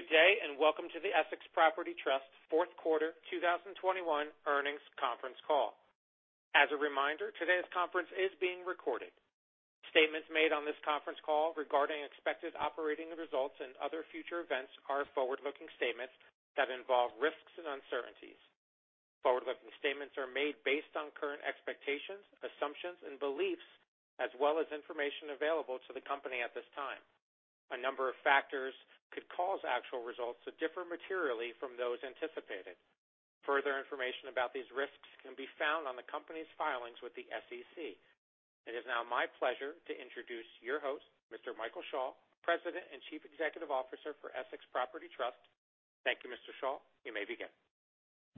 Good day, and welcome to the Essex Property Trust fourth quarter 2021 earnings conference call. As a reminder, today's conference is being recorded. Statements made on this conference call regarding expected operating results and other future events are forward-looking statements that involve risks and uncertainties. Forward-looking statements are made based on current expectations, assumptions, and beliefs, as well as information available to the company at this time. A number of factors could cause actual results to differ materially from those anticipated. Further information about these risks can be found on the company's filings with the SEC. It is now my pleasure to introduce your host, Mr. Michael Schall, President and Chief Executive Officer for Essex Property Trust. Thank you, Mr. Schall. You may begin..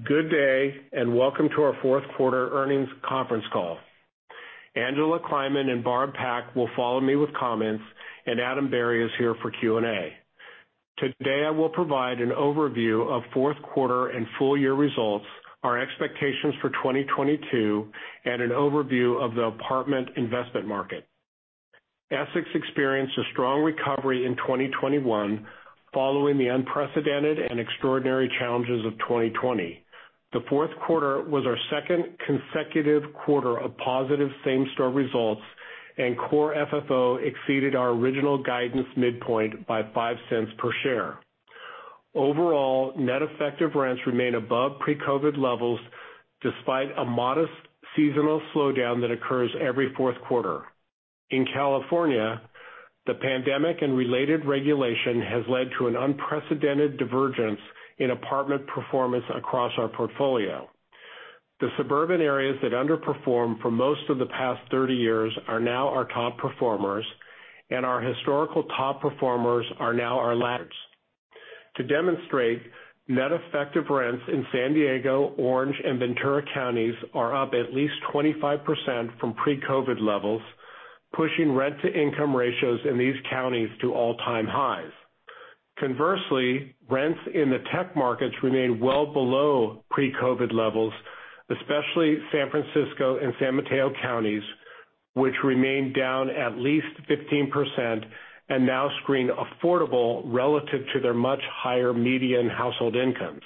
Good day, and welcome to our fourth quarter earnings conference call. Angela Kleiman and Barb Pak will follow me with comments, and Adam Berry is here for Q&A. Today, I will provide an overview of fourth quarter and full year results, our expectations for 2022, and an overview of the apartment investment market. Essex experienced a strong recovery in 2021 following the unprecedented and extraordinary challenges of 2020. The fourth quarter was our second consecutive quarter of positive same store results, and core FFO exceeded our original guidance midpoint by $0.05 per share. Overall, net effective rents remain above pre-COVID levels despite a modest seasonal slowdown that occurs every fourth quarter. In California, the pandemic and related regulation has led to an unprecedented divergence in apartment performance across our portfolio. The suburban areas that underperformed for most of the past 30 years are now our top performers, and our historical top performers are now our laggards. To demonstrate, net effective rents in San Diego, Orange, and Ventura counties are up at least 25% from pre-COVID levels, pushing rent-to-income ratios in these counties to all-time highs. Conversely, rents in the tech markets remain well below pre-COVID levels, especially San Francisco and San Mateo counties, which remain down at least 15% and now screen affordable relative to their much higher median household incomes.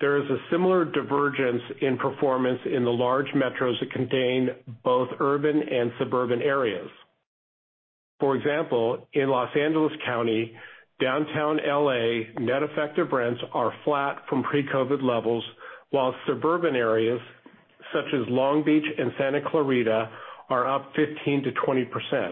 There is a similar divergence in performance in the large metros that contain both urban and suburban areas. For example, in Los Angeles County, Downtown L.A. net effective rents are flat from pre-COVID levels, while suburban areas such as Long Beach and Santa Clarita are up 15%-20%.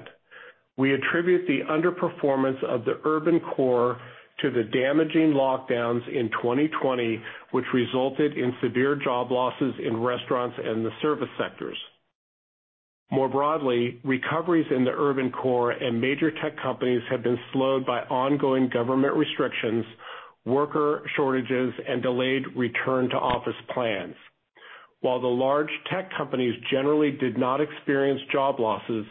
We attribute the underperformance of the urban core to the damaging lockdowns in 2020, which resulted in severe job losses in restaurants and the service sectors. More broadly, recoveries in the urban core and major tech companies have been slowed by ongoing government restrictions, worker shortages, and delayed return to office plans. While the large tech companies generally did not experience job losses,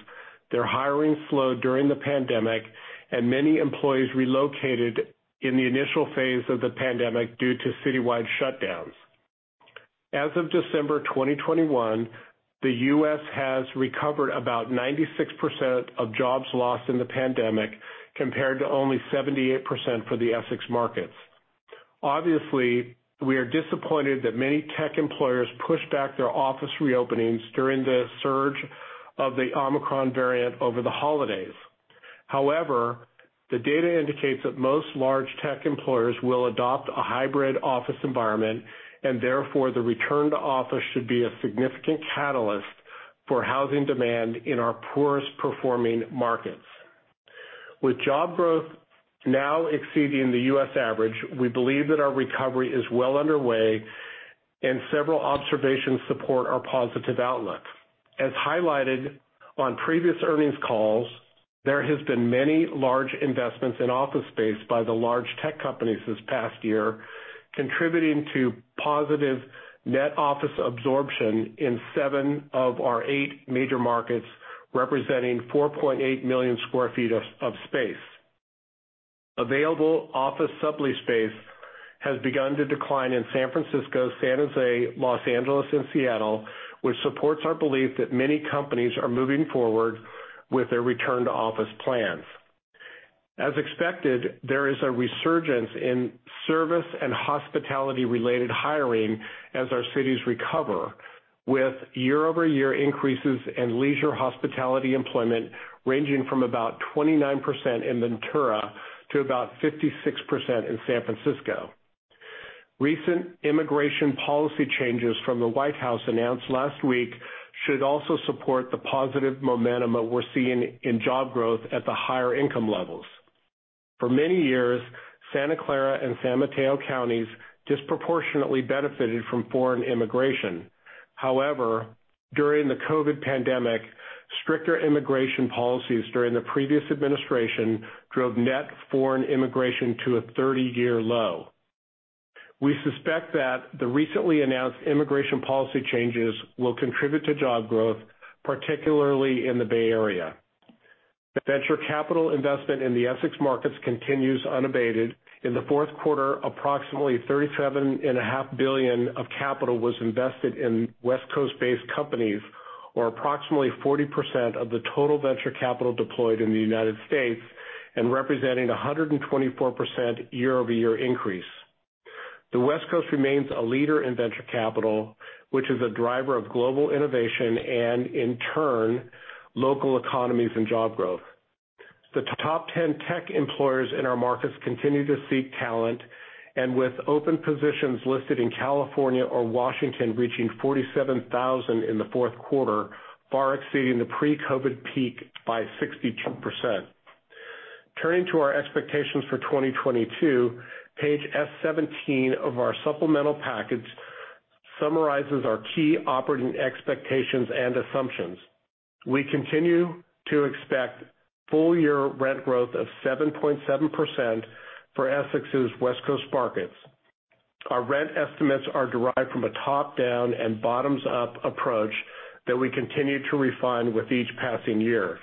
their hiring slowed during the pandemic and many employees relocated in the initial phase of the pandemic due to citywide shutdowns. As of December 2021, the U.S. has recovered about 96% of jobs lost in the pandemic, compared to only 78% for the Essex markets. Obviously, we are disappointed that many tech employers pushed back their office reopenings during the surge of the Omicron variant over the holidays. However, the data indicates that most large tech employers will adopt a hybrid office environment and therefore the return to office should be a significant catalyst for housing demand in our poorest performing markets. With job growth now exceeding the U.S. average, we believe that our recovery is well underway and several observations support our positive outlook. As highlighted on previous earnings calls, there has been many large investments in office space by the large tech companies this past year, contributing to positive net office absorption in seven of our eight major markets, representing 4.8 million sq ft of space. Available office sublease space has begun to decline in San Francisco, San Jose, Los Angeles, and Seattle, which supports our belief that many companies are moving forward with their return to office plans. As expected, there is a resurgence in service and hospitality-related hiring as our cities recover, with year-over-year increases in leisure hospitality employment ranging from about 29% in Ventura to about 56% in San Francisco. Recent immigration policy changes from the White House announced last week should also support the positive momentum that we're seeing in job growth at the higher income levels. For many years, Santa Clara and San Mateo Counties disproportionately benefited from foreign immigration. However, during the COVID pandemic, stricter immigration policies during the previous administration drove net foreign immigration to a 30-year low. We suspect that the recently announced immigration policy changes will contribute to job growth, particularly in the Bay Area. The venture capital investment in the Essex markets continues unabated. In the fourth quarter, approximately $37.5 billion of capital was invested in West Coast-based companies, or approximately 40% of the total venture capital deployed in the United States and representing a 124% year-over-year increase. The West Coast remains a leader in venture capital, which is a driver of global innovation and in turn, local economies and job growth. The top 10 tech employers in our markets continue to seek talent, and with open positions listed in California or Washington reaching 47,000 in the fourth quarter, far exceeding the pre-COVID peak by 62%. Turning to our expectations for 2022, page S-17 of our supplemental package summarizes our key operating expectations and assumptions. We continue to expect full-year rent growth of 7.7% for Essex's West Coast markets. Our rent estimates are derived from a top-down and bottoms-up approach that we continue to refine with each passing year.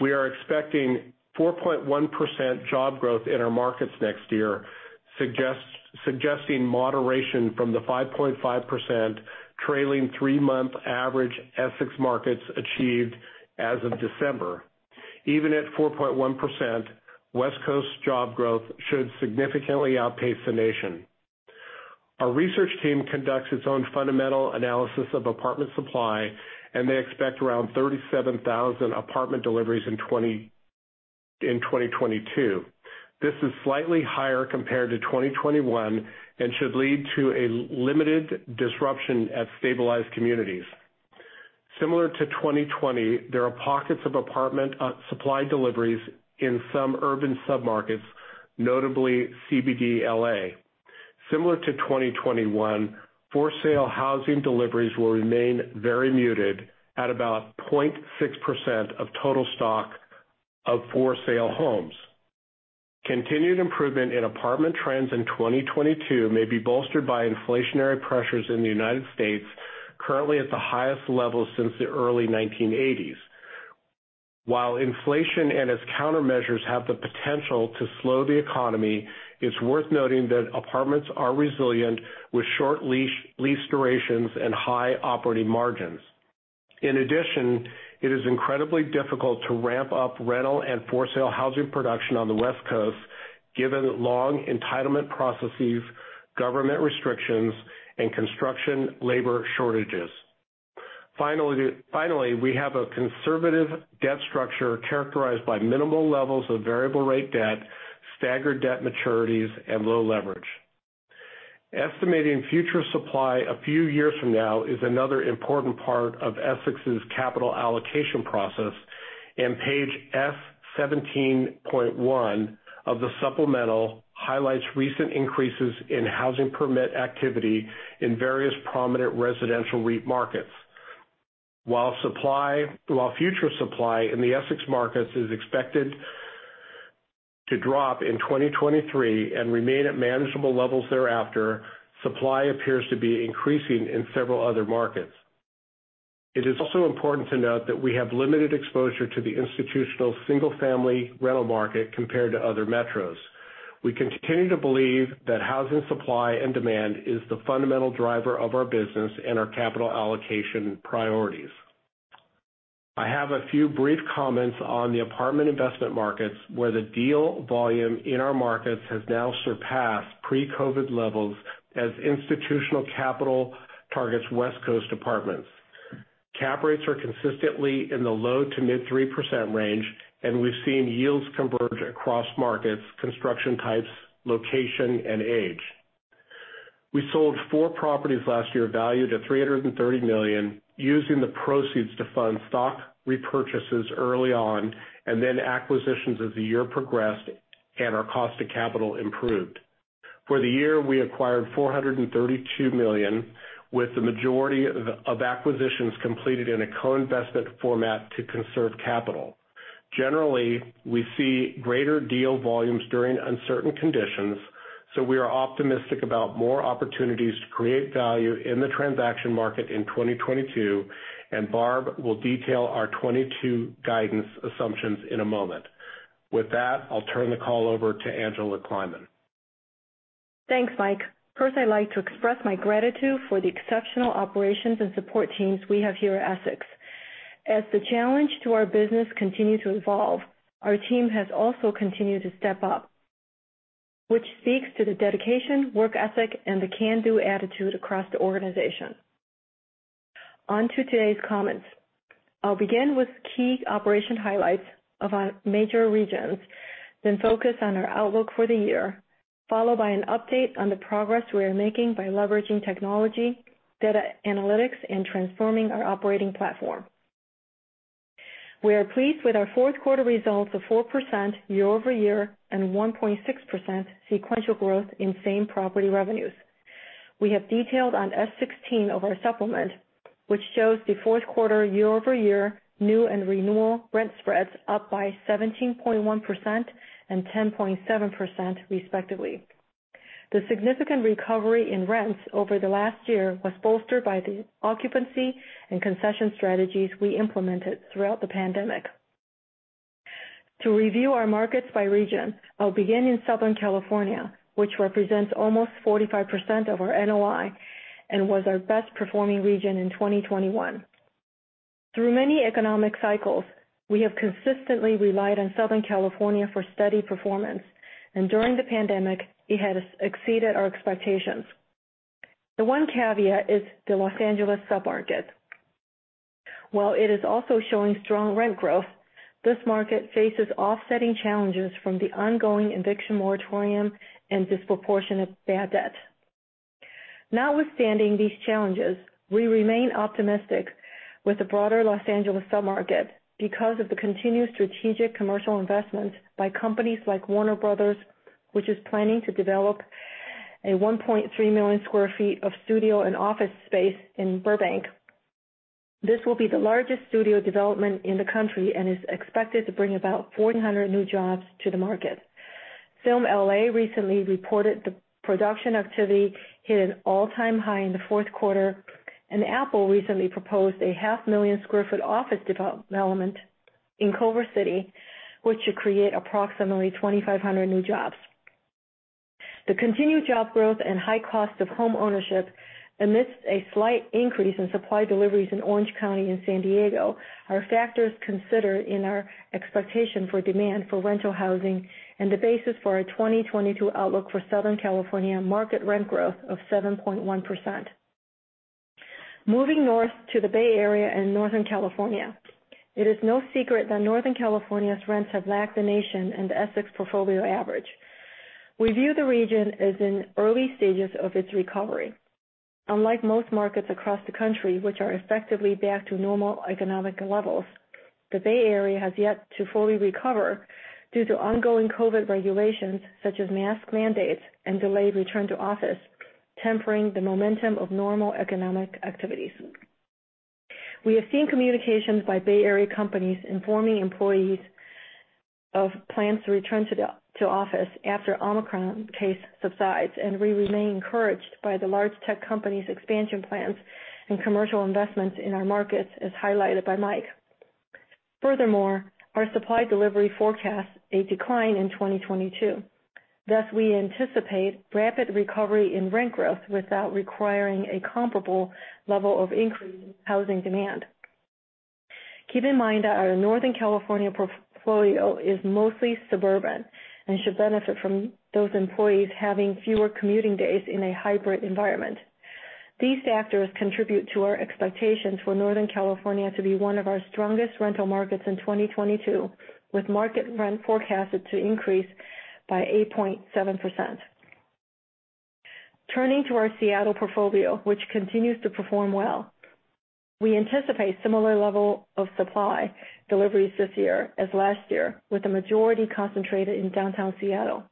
We are expecting 4.1% job growth in our markets next year, suggesting moderation from the 5.5% trailing three-month average Essex markets achieved as of December. Even at 4.1%, West Coast job growth should significantly outpace the nation. Our research team conducts its own fundamental analysis of apartment supply, and they expect around 37,000 apartment deliveries in 2022. This is slightly higher compared to 2021 and should lead to a limited disruption at stabilized communities. Similar to 2020, there are pockets of apartment supply deliveries in some urban submarkets, notably CBD L.A. Similar to 2021, for sale housing deliveries will remain very muted at about 0.6% of total stock of for sale homes. Continued improvement in apartment trends in 2022 may be bolstered by inflationary pressures in the United States, currently at the highest level since the early 1980s. While inflation and its countermeasures have the potential to slow the economy, it's worth noting that apartments are resilient with short lease durations and high operating margins. In addition, it is incredibly difficult to ramp up rental and for sale housing production on the West Coast, given long entitlement processes, government restrictions, and construction labor shortages. Finally, we have a conservative debt structure characterized by minimal levels of variable rate debt, staggered debt maturities, and low leverage. Estimating future supply a few years from now is another important part of Essex's capital allocation process, and page S-17.1 of the supplemental highlights recent increases in housing permit activity in various prominent residential REIT markets. While future supply in the Essex markets is expected to drop in 2023 and remain at manageable levels thereafter, supply appears to be increasing in several other markets. It is also important to note that we have limited exposure to the institutional single-family rental market compared to other metros. We continue to believe that housing supply and demand is the fundamental driver of our business and our capital allocation priorities. I have a few brief comments on the apartment investment markets, where the deal volume in our markets has now surpassed pre-COVID levels as institutional capital targets West Coast apartments. Cap rates are consistently in the low- to mid-3% range, and we've seen yields converge across markets, construction types, location, and age. We sold four properties last year valued at $330 million, using the proceeds to fund stock repurchases early on, and then acquisitions as the year progressed and our cost of capital improved. For the year, we acquired $432 million, with the majority of acquisitions completed in a co-investment format to conserve capital. Generally, we see greater deal volumes during uncertain conditions, so we are optimistic about more opportunities to create value in the transaction market in 2022, and Barb will detail our 2022 guidance assumptions in a moment. With that, I'll turn the call over to Angela Kleiman. Thanks, Mike. First, I'd like to express my gratitude for the exceptional operations and support teams we have here at Essex. As the challenge to our business continue to evolve, our team has also continued to step up, which speaks to the dedication, work ethic, and the can-do attitude across the organization. On to today's comments. I'll begin with key operation highlights of our major regions, then focus on our outlook for the year, followed by an update on the progress we are making by leveraging technology, data analytics, and transforming our operating platform. We are pleased with our fourth quarter results of 4% year-over-year and 1.6% sequential growth in same property revenues. We have detailed on S-16 of our supplement, which shows the fourth quarter year-over-year new and renewal rent spreads up by 17.1% and 10.7% respectively. The significant recovery in rents over the last year was bolstered by the occupancy and concession strategies we implemented throughout the pandemic. To review our markets by region, I'll begin in Southern California, which represents almost 45% of our NOI and was our best-performing region in 2021. Through many economic cycles, we have consistently relied on Southern California for steady performance, and during the pandemic, it has exceeded our expectations. The one caveat is the Los Angeles sub-market. While it is also showing strong rent growth, this market faces offsetting challenges from the ongoing eviction moratorium and disproportionate bad debt. Notwithstanding these challenges, we remain optimistic with the broader Los Angeles sub-market because of the continued strategic commercial investment by companies like Warner Bros., which is planning to develop 1.3 million sq ft of studio and office space in Burbank. This will be the largest studio development in the country and is expected to bring about 400 new jobs to the market. FilmLA recently reported the production activity hit an all-time high in the fourth quarter, and Apple recently proposed a 500,000 sq ft office development in Culver City, which should create approximately 2,500 new jobs. The continued job growth and high cost of homeownership amidst a slight increase in supply deliveries in Orange County and San Diego are factors considered in our expectation for demand for rental housing and the basis for our 2022 outlook for Southern California market rent growth of 7.1%. Moving north to the Bay Area and Northern California, it is no secret that Northern California's rents have lagged the nation and the Essex portfolio average. We view the region as in early stages of its recovery. Unlike most markets across the country, which are effectively back to normal economic levels, the Bay Area has yet to fully recover due to ongoing COVID regulations, such as mask mandates and delayed return to office, tempering the momentum of normal economic activities. We have seen communications by Bay Area companies informing employees of plans to return to office after Omicron case subsides, and we remain encouraged by the large tech companies' expansion plans and commercial investments in our markets, as highlighted by Mike. Furthermore, our supply delivery forecasts a decline in 2022. Thus, we anticipate rapid recovery in rent growth without requiring a comparable level of increase in housing demand. Keep in mind that our Northern California portfolio is mostly suburban and should benefit from those employees having fewer commuting days in a hybrid environment. These factors contribute to our expectation for Northern California to be one of our strongest rental markets in 2022, with market rent forecasted to increase by 8.7%. Turning to our Seattle portfolio, which continues to perform well. We anticipate similar level of supply deliveries this year as last year, with the majority concentrated in downtown Seattle.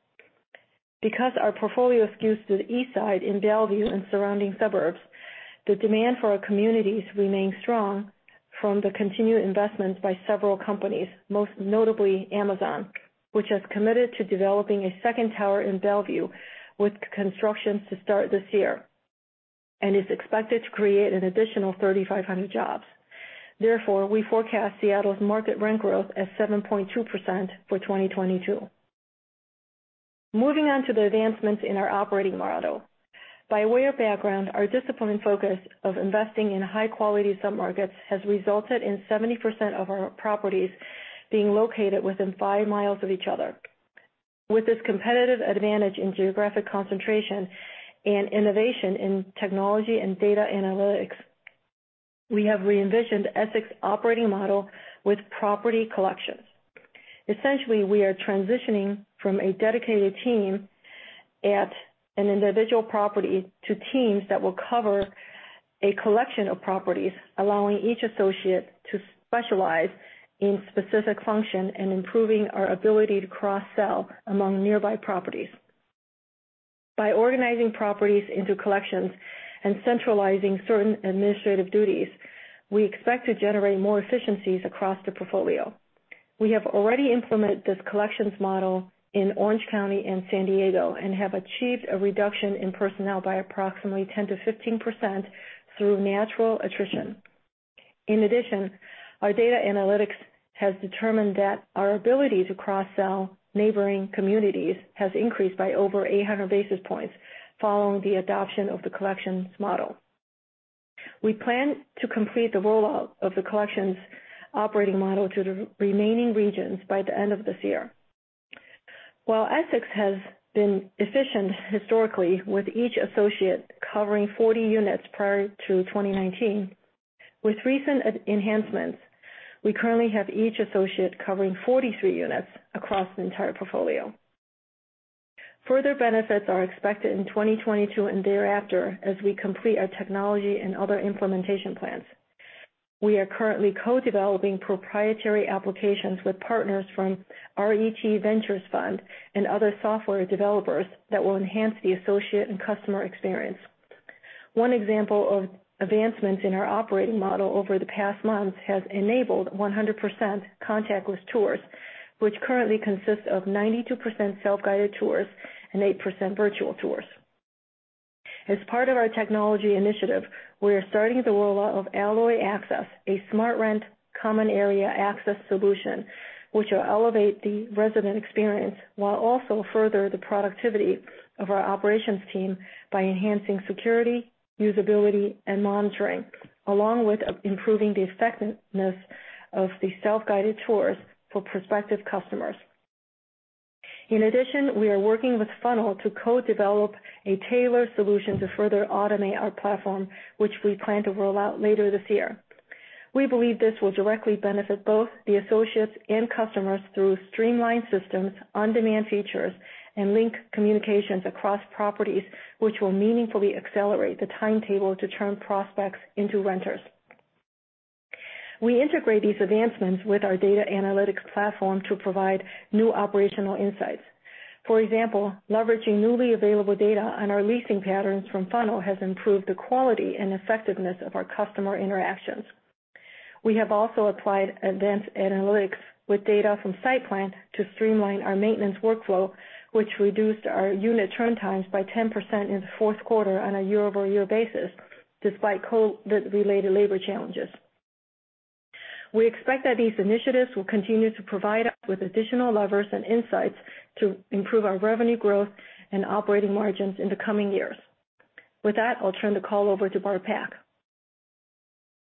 Because our portfolio skews to the east side in Bellevue and surrounding suburbs, the demand for our communities remains strong from the continued investments by several companies, most notably Amazon, which has committed to developing a second tower in Bellevue with construction to start this year, and is expected to create an additional 3,500 jobs. Therefore, we forecast Seattle's market rent growth at 7.2% for 2022. Moving on to the advancements in our operating model. By way of background, our discipline and focus of investing in high-quality submarkets has resulted in 70% of our properties being located within 5 mi of each other. With this competitive advantage in geographic concentration and innovation in technology and data analytics, we have re-envisioned Essex operating model with property collections. Essentially, we are transitioning from a dedicated team at an individual property to teams that will cover a collection of properties, allowing each associate to specialize in specific function and improving our ability to cross-sell among nearby properties. By organizing properties into collections and centralizing certain administrative duties, we expect to generate more efficiencies across the portfolio. We have already implemented this collections model in Orange County and San Diego and have achieved a reduction in personnel by approximately 10%-15% through natural attrition. In addition, our data analytics has determined that our ability to cross-sell neighboring communities has increased by over 800 basis points following the adoption of the collections model. We plan to complete the rollout of the collections operating model to the remaining regions by the end of this year. While Essex has been efficient historically with each associate covering 40 units prior to 2019, with recent enhancements, we currently have each associate covering 43 units across the entire portfolio. Further benefits are expected in 2022 and thereafter as we complete our technology and other implementation plans. We are currently co-developing proprietary applications with partners from RET Ventures and other software developers that will enhance the associate and customer experience. One example of advancements in our operating model over the past months has enabled 100% contactless tours, which currently consist of 92% self-guided tours and 8% virtual tours. As part of our technology initiative, we are starting the rollout of Alloy Access, a SmartRent common area access solution which will elevate the resident experience while also further the productivity of our operations team by enhancing security, usability and monitoring, along with improving the effectiveness of the self-guided tours for prospective customers. In addition, we are working with Funnel to co-develop a tailored solution to further automate our platform, which we plan to roll out later this year. We believe this will directly benefit both the associates and customers through streamlined systems, on-demand features and link communications across properties which will meaningfully accelerate the timetable to turn prospects into renters. We integrate these advancements with our data analytics platform to provide new operational insights. For example, leveraging newly available data on our leasing patterns from Funnel has improved the quality and effectiveness of our customer interactions. We have also applied advanced analytics with data from SightPlan to streamline our maintenance workflow, which reduced our unit turn times by 10% in the fourth quarter on a year-over-year basis despite COVID-related labor challenges. We expect that these initiatives will continue to provide us with additional levers and insights to improve our revenue growth and operating margins in the coming years. With that, I'll turn the call over to Barb Pak.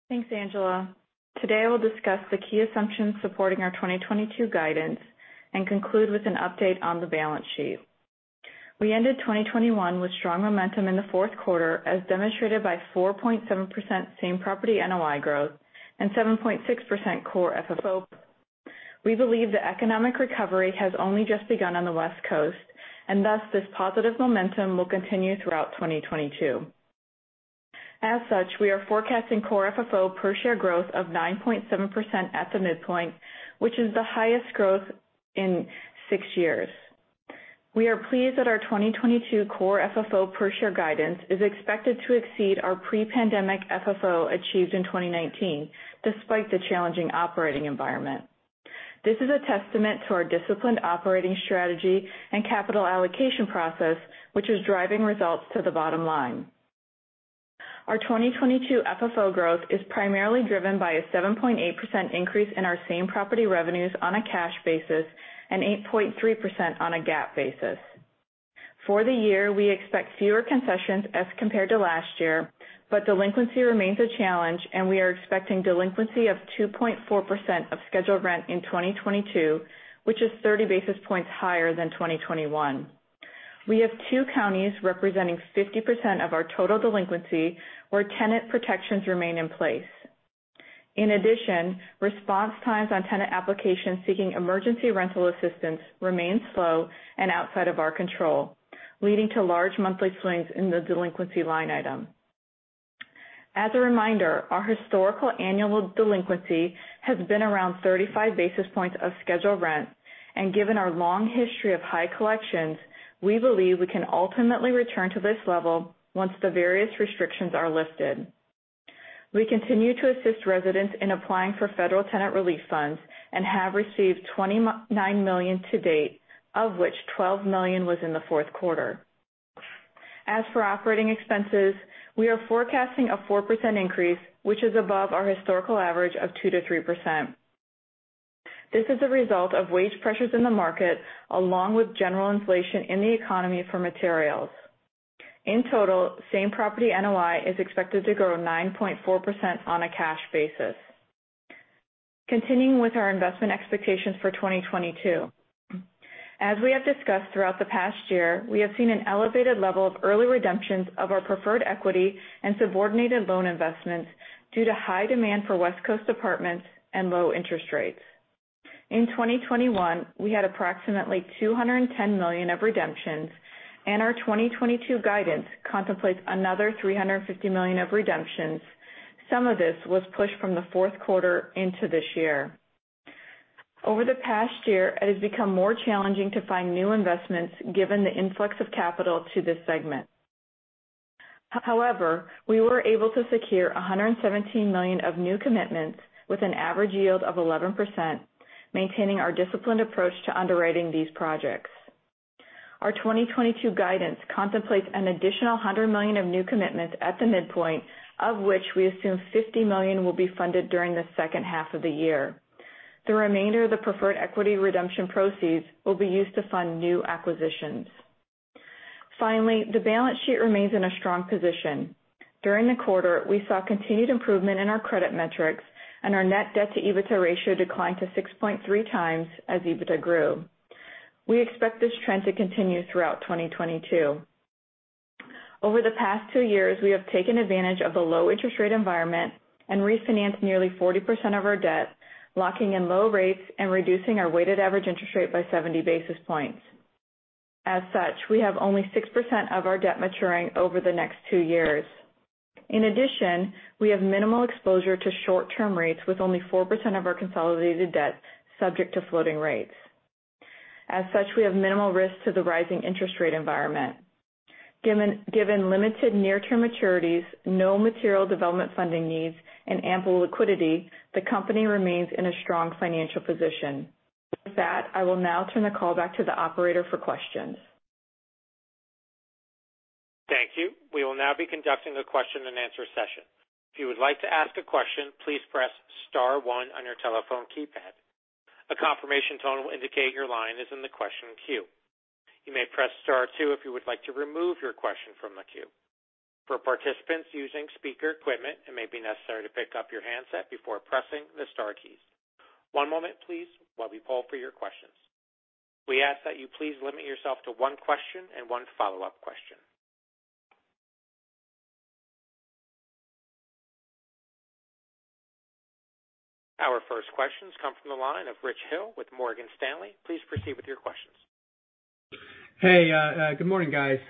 Thanks, Angela. Today, I will discuss the key assumptions supporting our 2022 guidance and conclude with an update on the balance sheet. We ended 2021 with strong momentum in the fourth quarter, as demonstrated by 4.7% same-property NOI growth and 7.6% Core FFO. We believe the economic recovery has only just begun on the West Coast, and thus this positive momentum will continue throughout 2022. As such, we are forecasting Core FFO per share growth of 9.7% at the midpoint, which is the highest growth in six years. We are pleased that our 2022 Core FFO per share guidance is expected to exceed our pre-pandemic FFO achieved in 2019 despite the challenging operating environment. This is a testament to our disciplined operating strategy and capital allocation process, which is driving results to the bottom line. Our 2022 FFO growth is primarily driven by a 7.8% increase in our same-property revenues on a cash basis and 8.3% on a GAAP basis. For the year, we expect fewer concessions as compared to last year, but delinquency remains a challenge, and we are expecting delinquency of 2.4% of scheduled rent in 2022, which is 30 basis points higher than 2021. We have two counties representing 50% of our total delinquency where tenant protections remain in place. In addition, response times on tenant applications seeking emergency rental assistance remain slow and outside of our control, leading to large monthly swings in the delinquency line item. As a reminder, our historical annual delinquency has been around 35 basis points of scheduled rent. Given our long history of high collections, we believe we can ultimately return to this level once the various restrictions are lifted. We continue to assist residents in applying for federal tenant relief funds and have received $29 million to date, of which $12 million was in the fourth quarter. As for operating expenses, we are forecasting a 4% increase, which is above our historical average of 2%-3%. This is a result of wage pressures in the market, along with general inflation in the economy for materials. In total, same-property NOI is expected to grow 9.4% on a cash basis. Continuing with our investment expectations for 2022. As we have discussed throughout the past year, we have seen an elevated level of early redemptions of our preferred equity and subordinated loan investments due to high demand for West Coast apartments and low interest rates. In 2021, we had approximately $210 million of redemptions, and our 2022 guidance contemplates another $350 million of redemptions. Some of this was pushed from the fourth quarter into this year. Over the past year, it has become more challenging to find new investments given the influx of capital to this segment. However, we were able to secure $117 million of new commitments with an average yield of 11%, maintaining our disciplined approach to underwriting these projects. Our 2022 guidance contemplates an additional $100 million of new commitments at the midpoint, of which we assume $50 million will be funded during the second half of the year. The remainder of the preferred equity redemption proceeds will be used to fund new acquisitions. Finally, the balance sheet remains in a strong position. During the quarter, we saw continued improvement in our credit metrics, and our net debt-to-EBITDA ratio declined to 6.3x as EBITDA grew. We expect this trend to continue throughout 2022. Over the past two years, we have taken advantage of the low interest rate environment and refinanced nearly 40% of our debt, locking in low rates and reducing our weighted average interest rate by 70 basis points. As such, we have only 6% of our debt maturing over the next two years. In addition, we have minimal exposure to short-term rates with only 4% of our consolidated debt subject to floating rates. As such, we have minimal risk to the rising interest rate environment. Given limited near-term maturities, no material development funding needs and ample liquidity, the company remains in a strong financial position. With that, I will now turn the call back to the operator for questions. Thank you. We will now be conducting a question and answer session. If you would like to ask a question, please press star one on your telephone keypad. A confirmation tone will indicate your line is in the question queue. You may press star two if you would like to remove your question from the queue. For participants using speaker equipment, it may be necessary to pick up your handset before pressing the star keys. One moment please while we poll for your questions. We ask that you please limit yourself to one question and one follow-up question. Our first questions come from the line of Richard Hill with Morgan Stanley. Please proceed with your questions. Hey, good morning, guys.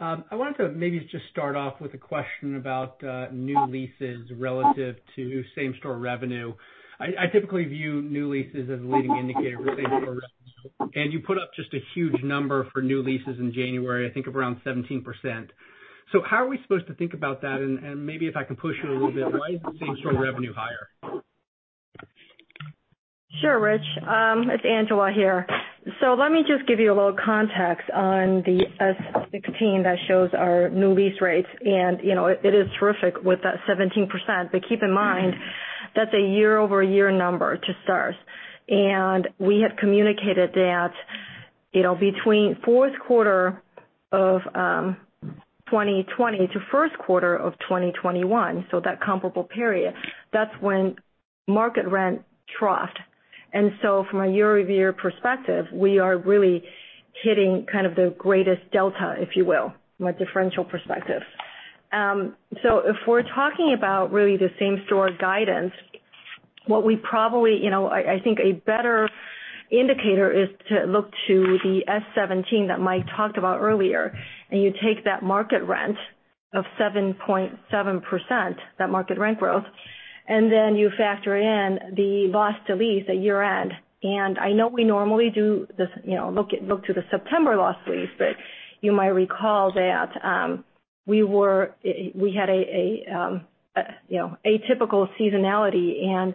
I wanted to maybe just start off with a question about new leases relative to same-store revenue. I typically view new leases as a leading indicator for same-store revenue, and you put up just a huge number for new leases in January, I think around 17%. How are we supposed to think about that? Maybe if I can push you a little bit, why is the same-store revenue higher? Sure, Rich. It's Angela here. Let me just give you a little context on the S-16 that shows our new lease rates. You know, it is terrific with that 17%. Keep in mind, that's a year-over-year number to start. We have communicated that, you know, between fourth quarter of 2020 to first quarter of 2021, so that comparable period, that's when market rent troughed. From a year-over-year perspective, we are really hitting kind of the greatest delta, if you will, from a differential perspective. If we're talking about really the same-store guidance, what we probably. You know, I think a better indicator is to look to the S-17 that Mike talked about earlier. You take that market rent of 7.7%, that market rent growth, and then you factor in the loss to lease at year-end. I know we normally do this, you know, look to the September loss to lease, but you might recall that we had, you know, atypical seasonality and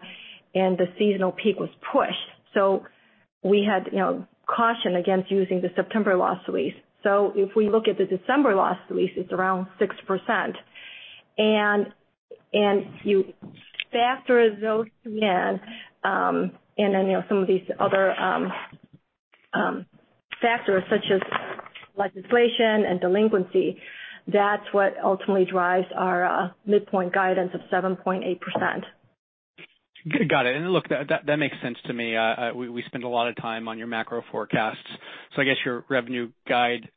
the seasonal peak was pushed. We had, you know, caution against using the September loss to lease. If we look at the December loss to lease, it's around 6%. You factor those in and then, you know, some of these other factors such as legislation and delinquency, that's what ultimately drives our midpoint guidance of 7.8%. Got it. Look, that makes sense to me. We spend a lot of time on your macro forecasts. I guess your revenue guide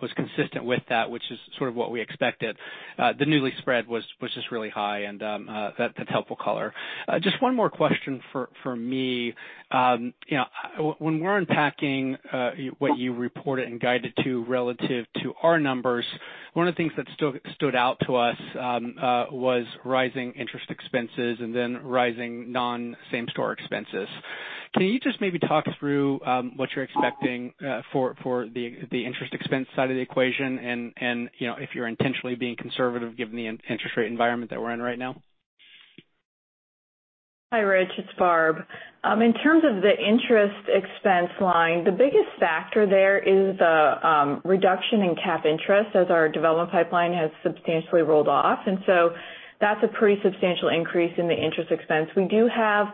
was consistent with that, which is sort of what we expected. The new lease spread was just really high and that's helpful color. Just one more question for me. You know, when we're unpacking what you reported and guided to relative to our numbers, one of the things that stood out to us was rising interest expenses and then rising non-same-store expenses. Can you just maybe talk through what you're expecting for the interest expense side of the equation and you know, if you're intentionally being conservative given the interest rate environment that we're in right now? Hi, Rich. It's Barb. In terms of the interest expense line, the biggest factor there is the reduction in capitalized interest as our development pipeline has substantially rolled off. That's a pretty substantial increase in the interest expense. We do have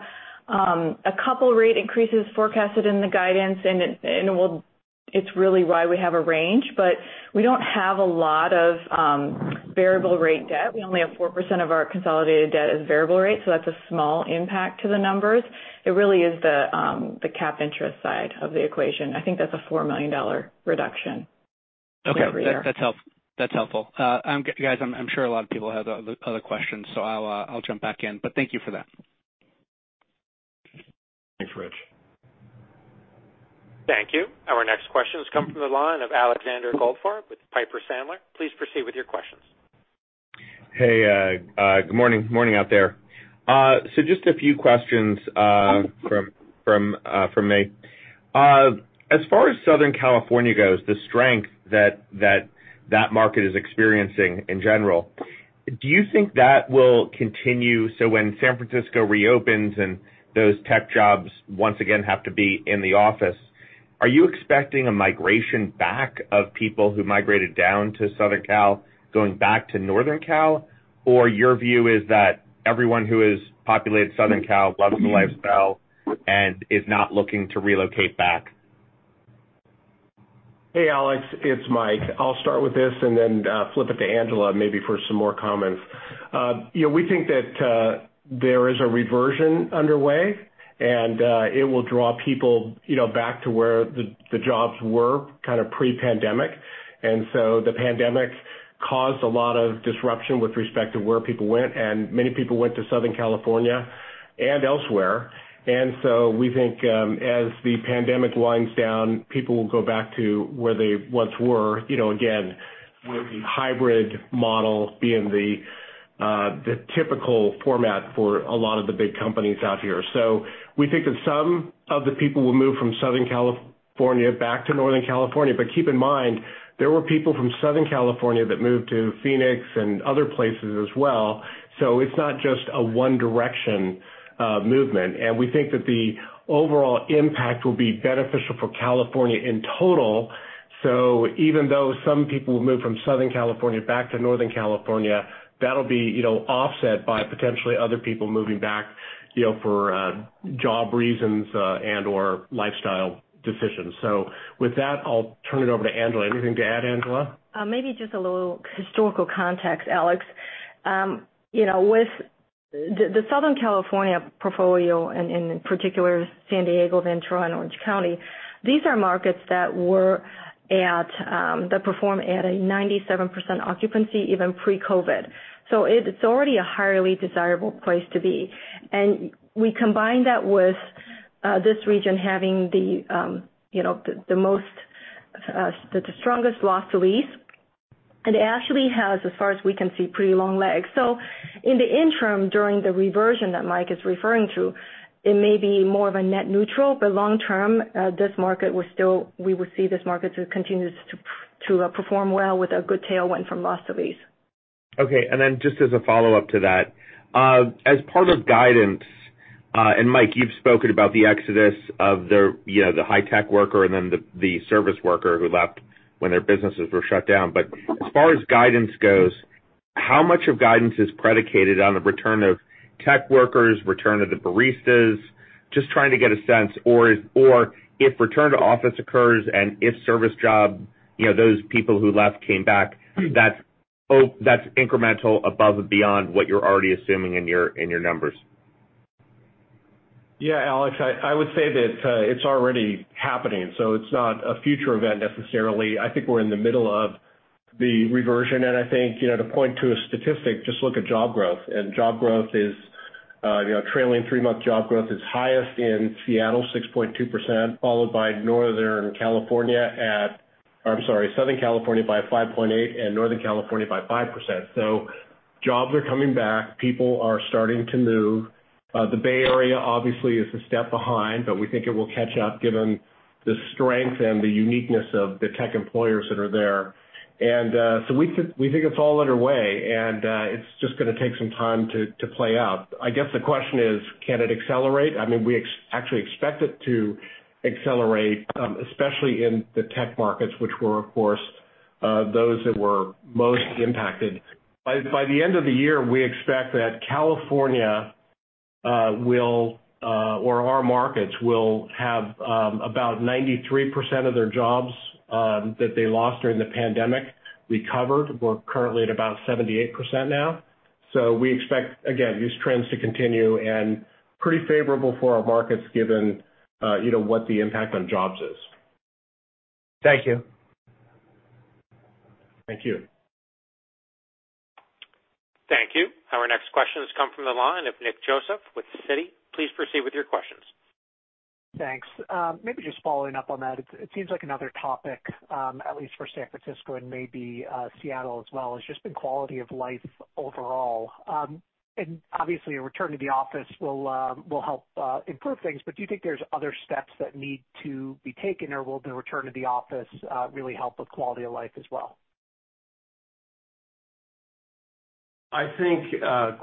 a couple rate increases forecasted in the guidance, and it will. It's really why we have a range, but we don't have a lot of variable rate debt. We only have 4% of our consolidated debt as variable rate, so that's a small impact to the numbers. It really is the capitalized interest side of the equation. I think that's a $4 million reduction year-over-year. Okay. That's helpful. Guys, I'm sure a lot of people have other questions, so I'll jump back in, but thank you for that. Thanks, Rich. Thank you. Our next question comes from the line of Alexander Goldfarb with Piper Sandler. Please proceed with your questions. Hey, good morning. Morning out there. Just a few questions from me. As far as Southern California goes, the strength that market is experiencing in general, do you think that will continue? When San Francisco reopens and those tech jobs once again have to be in the office, are you expecting a migration back of people who migrated down to Southern Cal, going back to Northern Cal? Or your view is that everyone who has populated Southern Cal loves the lifestyle and is not looking to relocate back? Hey, Alex, it's Mike. I'll start with this and then flip it to Angela maybe for some more comments. You know, we think that there is a reversion underway, and it will draw people, you know, back to where the jobs were kind of pre-pandemic. The pandemic caused a lot of disruption with respect to where people went, and many people went to Southern California and elsewhere. We think as the pandemic winds down, people will go back to where they once were. You know, again, with the hybrid model being the typical format for a lot of the big companies out here. We think that some of the people will move from Southern California back to Northern California. Keep in mind, there were people from Southern California that moved to Phoenix and other places as well. It's not just a one direction, movement. We think that the overall impact will be beneficial for California in total. Even though some people will move from Southern California back to Northern California, that'll be, you know, offset by potentially other people moving back, you know, for job reasons, and/or lifestyle decisions. With that, I'll turn it over to Angela. Anything to add, Angela? Maybe just a little historical context, Alex. You know, with the Southern California portfolio and in particular San Diego, Ventura, and Orange County, these are markets that perform at a 97% occupancy, even pre-COVID. It's already a highly desirable place to be. We combine that with this region having the strongest loss to lease. It actually has, as far as we can see, pretty long legs. In the interim, during the reversion that Mike is referring to, it may be more of a net neutral, but long term, this market will still—we will see this market continues to perform well with a good tailwind from loss to lease. Okay. Then just as a follow-up to that, as part of guidance, and Mike, you've spoken about the exodus of the, you know, the high tech worker and then the service worker who left when their businesses were shut down. As far as guidance goes, how much of guidance is predicated on the return of tech workers, return of the baristas? Just trying to get a sense. Or if return to office occurs and if service job, you know, those people who left came back, that's incremental above and beyond what you're already assuming in your numbers. Yeah. Alex, I would say that, it's already happening, so it's not a future event necessarily. I think we're in the middle of the reversion. I think, you know, to point to a statistic, just look at job growth. Job growth is, you know, trailing three-month job growth is highest in Seattle, 6.2%, followed by Southern California by 5.8% and Northern California by 5%. Jobs are coming back. People are starting to move. The Bay Area obviously is a step behind, but we think it will catch up given the strength and the uniqueness of the tech employers that are there. We think it's all underway and it's just gonna take some time to play out. I guess the question is, can it accelerate? I mean, we actually expect it to accelerate, especially in the tech markets, which were of course, those that were most impacted. By the end of the year, we expect that California will or our markets will have about 93% of their jobs that they lost during the pandemic recovered. We're currently at about 78% now. We expect, again, these trends to continue and pretty favorable for our markets given you know what the impact on jobs is. Thank you. Thank you. Thank you. Our next question has come from the line of Nick Joseph with Citi. Please proceed with your questions. Thanks. Maybe just following up on that. It seems like another topic, at least for San Francisco and maybe Seattle as well, is just the quality of life overall. Obviously a return to the office will help improve things. Do you think there's other steps that need to be taken, or will the return to the office really help with quality of life as well? I think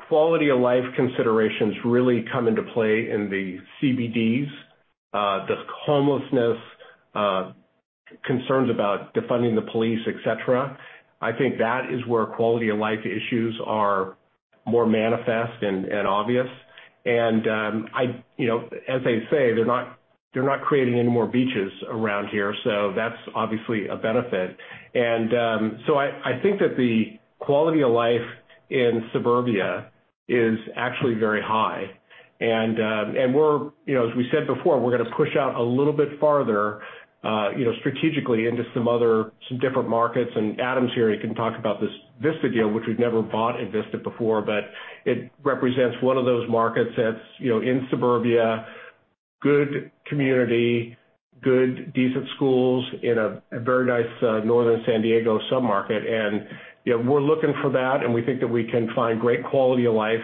quality of life considerations really come into play in the CBDs, the homelessness concerns about defunding the police, et cetera. I think that is where quality of life issues are more manifest and obvious. You know, as they say, they're not creating any more beaches around here, so that's obviously a benefit. So I think that the quality of life in suburbia is actually very high. You know, as we said before, we're gonna push out a little bit farther, you know, strategically into some other, some different markets. Adam's here, he can talk about this Vista deal, which we've never bought in Vista before, but it represents one of those markets that's, you know, in suburbia, good community, good decent schools in a very nice northern San Diego sub-market. You know, we're looking for that, and we think that we can find great quality of life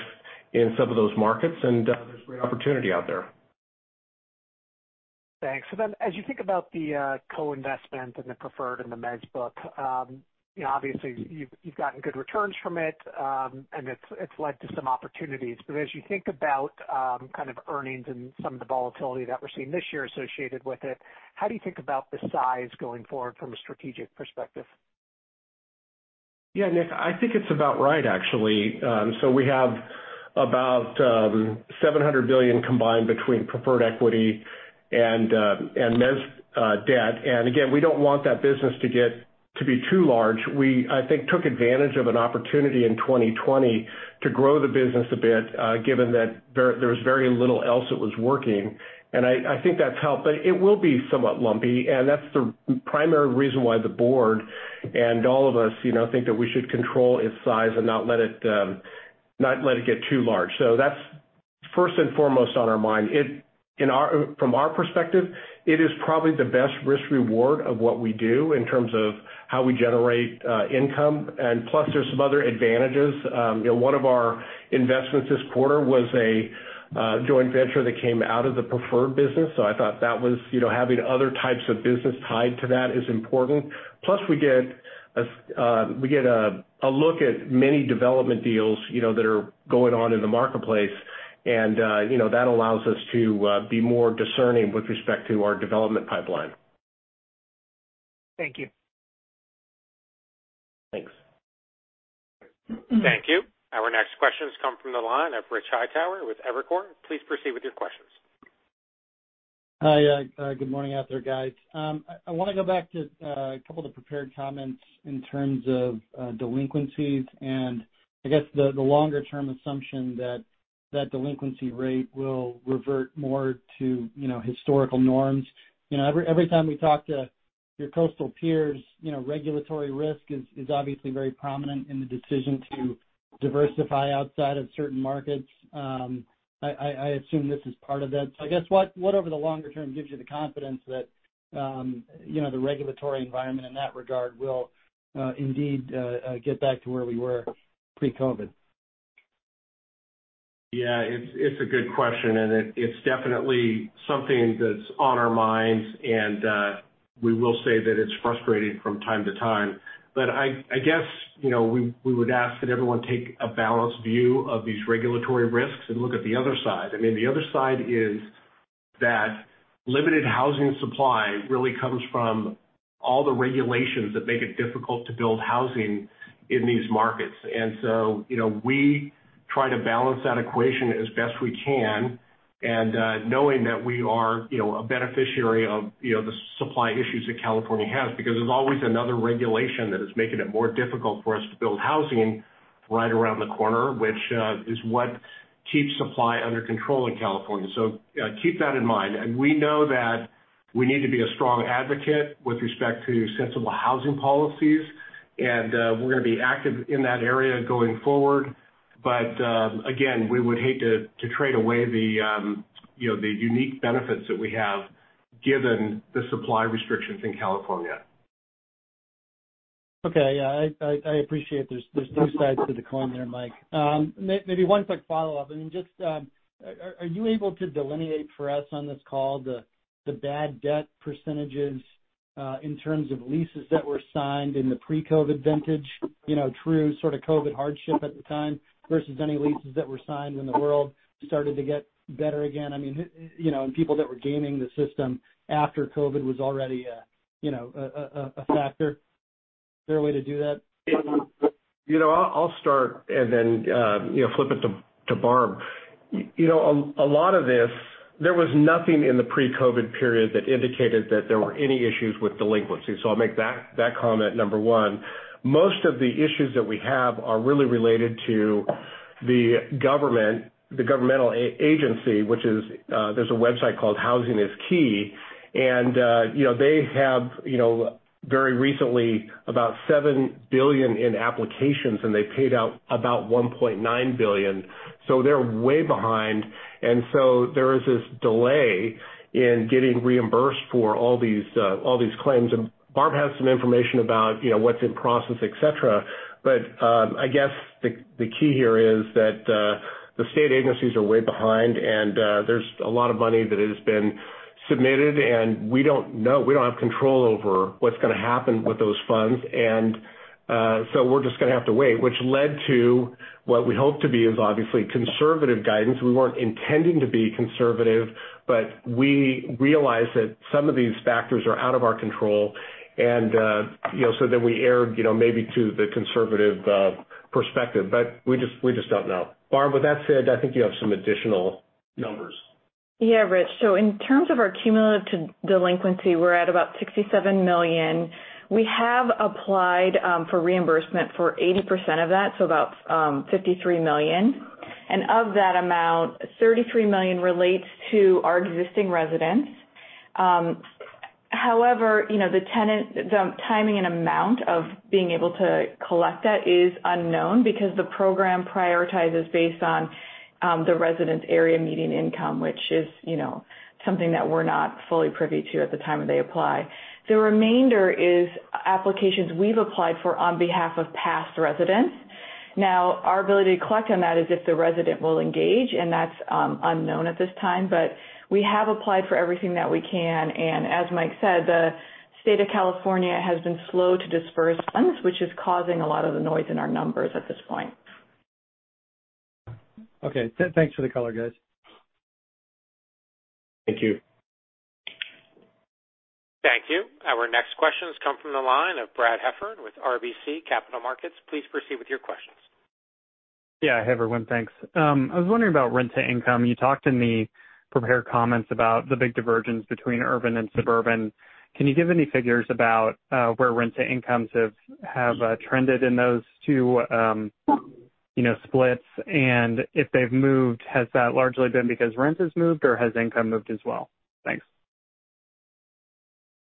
in some of those markets, and there's great opportunity out there. Thanks. As you think about the co-investment and the preferred and the MEZ book, you know, obviously you've gotten good returns from it, and it's led to some opportunities. As you think about kind of earnings and some of the volatility that we're seeing this year associated with it, how do you think about the size going forward from a strategic perspective? Yeah, Nick, I think it's about right, actually. We have about $700 million combined between preferred equity and MEZ debt. Again, we don't want that business to get to be too large. I think we took advantage of an opportunity in 2020 to grow the business a bit, given that there was very little else that was working, and I think that's helped. It will be somewhat lumpy, and that's the primary reason why the board and all of us, you know, think that we should control its size and not let it get too large. First and foremost on our mind. From our perspective, it is probably the best risk-reward of what we do in terms of how we generate income. Plus there's some other advantages. One of our investments this quarter was a joint venture that came out of the preferred business. I thought that was, you know, having other types of business tied to that is important. Plus we get a look at many development deals, you know, that are going on in the marketplace and, you know, that allows us to be more discerning with respect to our development pipeline. Thank you. Thanks. Thank you. Our next questions come from the line of Richard Hightower with Evercore. Please proceed with your questions. Hi. Good morning out there, guys. I wanna go back to a couple of the prepared comments in terms of delinquencies and I guess the longer term assumption that delinquency rate will revert more to, you know, historical norms. You know, every time we talk to your coastal peers, you know, regulatory risk is obviously very prominent in the decision to diversify outside of certain markets. I assume this is part of that. I guess what over the longer term gives you the confidence that, you know, the regulatory environment in that regard will indeed get back to where we were pre-COVID? Yeah, it's a good question and it's definitely something that's on our minds and we will say that it's frustrating from time to time. But I guess, you know, we would ask that everyone take a balanced view of these regulatory risks and look at the other side. I mean, the other side is that limited housing supply really comes from all the regulations that make it difficult to build housing in these markets. You know, we try to balance that equation as best we can and knowing that we are, you know, a beneficiary of, you know, the supply issues that California has because there's always another regulation that is making it more difficult for us to build housing right around the corner, which is what keeps supply under control in California. Keep that in mind. We know that we need to be a strong advocate with respect to sensible housing policies and, we're gonna be active in that area going forward. Again, we would hate to trade away the, you know, the unique benefits that we have given the supply restrictions in California. Okay. Yeah. I appreciate there's two sides to the coin there, Mike. Maybe one quick follow-up. I mean, just, are you able to delineate for us on this call the bad debt percentages in terms of leases that were signed in the pre-COVID vintage? You know, true sort of COVID hardship at the time versus any leases that were signed when the world started to get better again, I mean, you know, and people that were gaming the system after COVID was already, you know, a factor. Is there a way to do that? You know, I'll start and then you know flip it to Barb. You know, a lot of this, there was nothing in the pre-COVID period that indicated that there were any issues with delinquency. I'll make that comment number one. Most of the issues that we have are really related to the government, the governmental agency, which is there's a website called Housing Is Key. They have very recently about $7 billion in applications and they paid out about $1.9 billion. They're way behind. There is this delay in getting reimbursed for all these claims. Barb has some information about what's in process, et cetera. I guess the key here is that the state agencies are way behind and there's a lot of money that has been submitted and we don't know, we don't have control over what's gonna happen with those funds. So we're just gonna have to wait, which led to what we hope to be is obviously conservative guidance. We weren't intending to be conservative, but we realize that some of these factors are out of our control and you know, we erred, you know, maybe to the conservative perspective, but we just don't know. Barb, with that said, I think you have some additional numbers. Yeah, Rich. In terms of our cumulative delinquency, we're at about $67 million. We have applied for reimbursement for 80% of that, so about $53 million. Of that amount, $33 million relates to our existing residents. However, you know, the timing and amount of being able to collect that is unknown because the program prioritizes based on the resident's area median income, which is, you know, something that we're not fully privy to at the time they apply. The remainder is applications we've applied for on behalf of past residents. Now, our ability to collect on that is if the resident will engage, and that's unknown at this time. We have applied for everything that we can, and as Mike said, the state of California has been slow to disperse funds, which is causing a lot of the noise in our numbers at this point. Okay. Thanks for the color, guys. Thank you. Thank you. Our next questions come from the line of Brad Heffern with RBC Capital Markets. Please proceed with your questions. Yeah. Hey, everyone. Thanks. I was wondering about rent-to-income. You talked in the prepared comments about the big divergence between urban and suburban. Can you give any figures about where rent-to-incomes have trended in those two, you know, splits? If they've moved, has that largely been because rent has moved or has income moved as well? Thanks.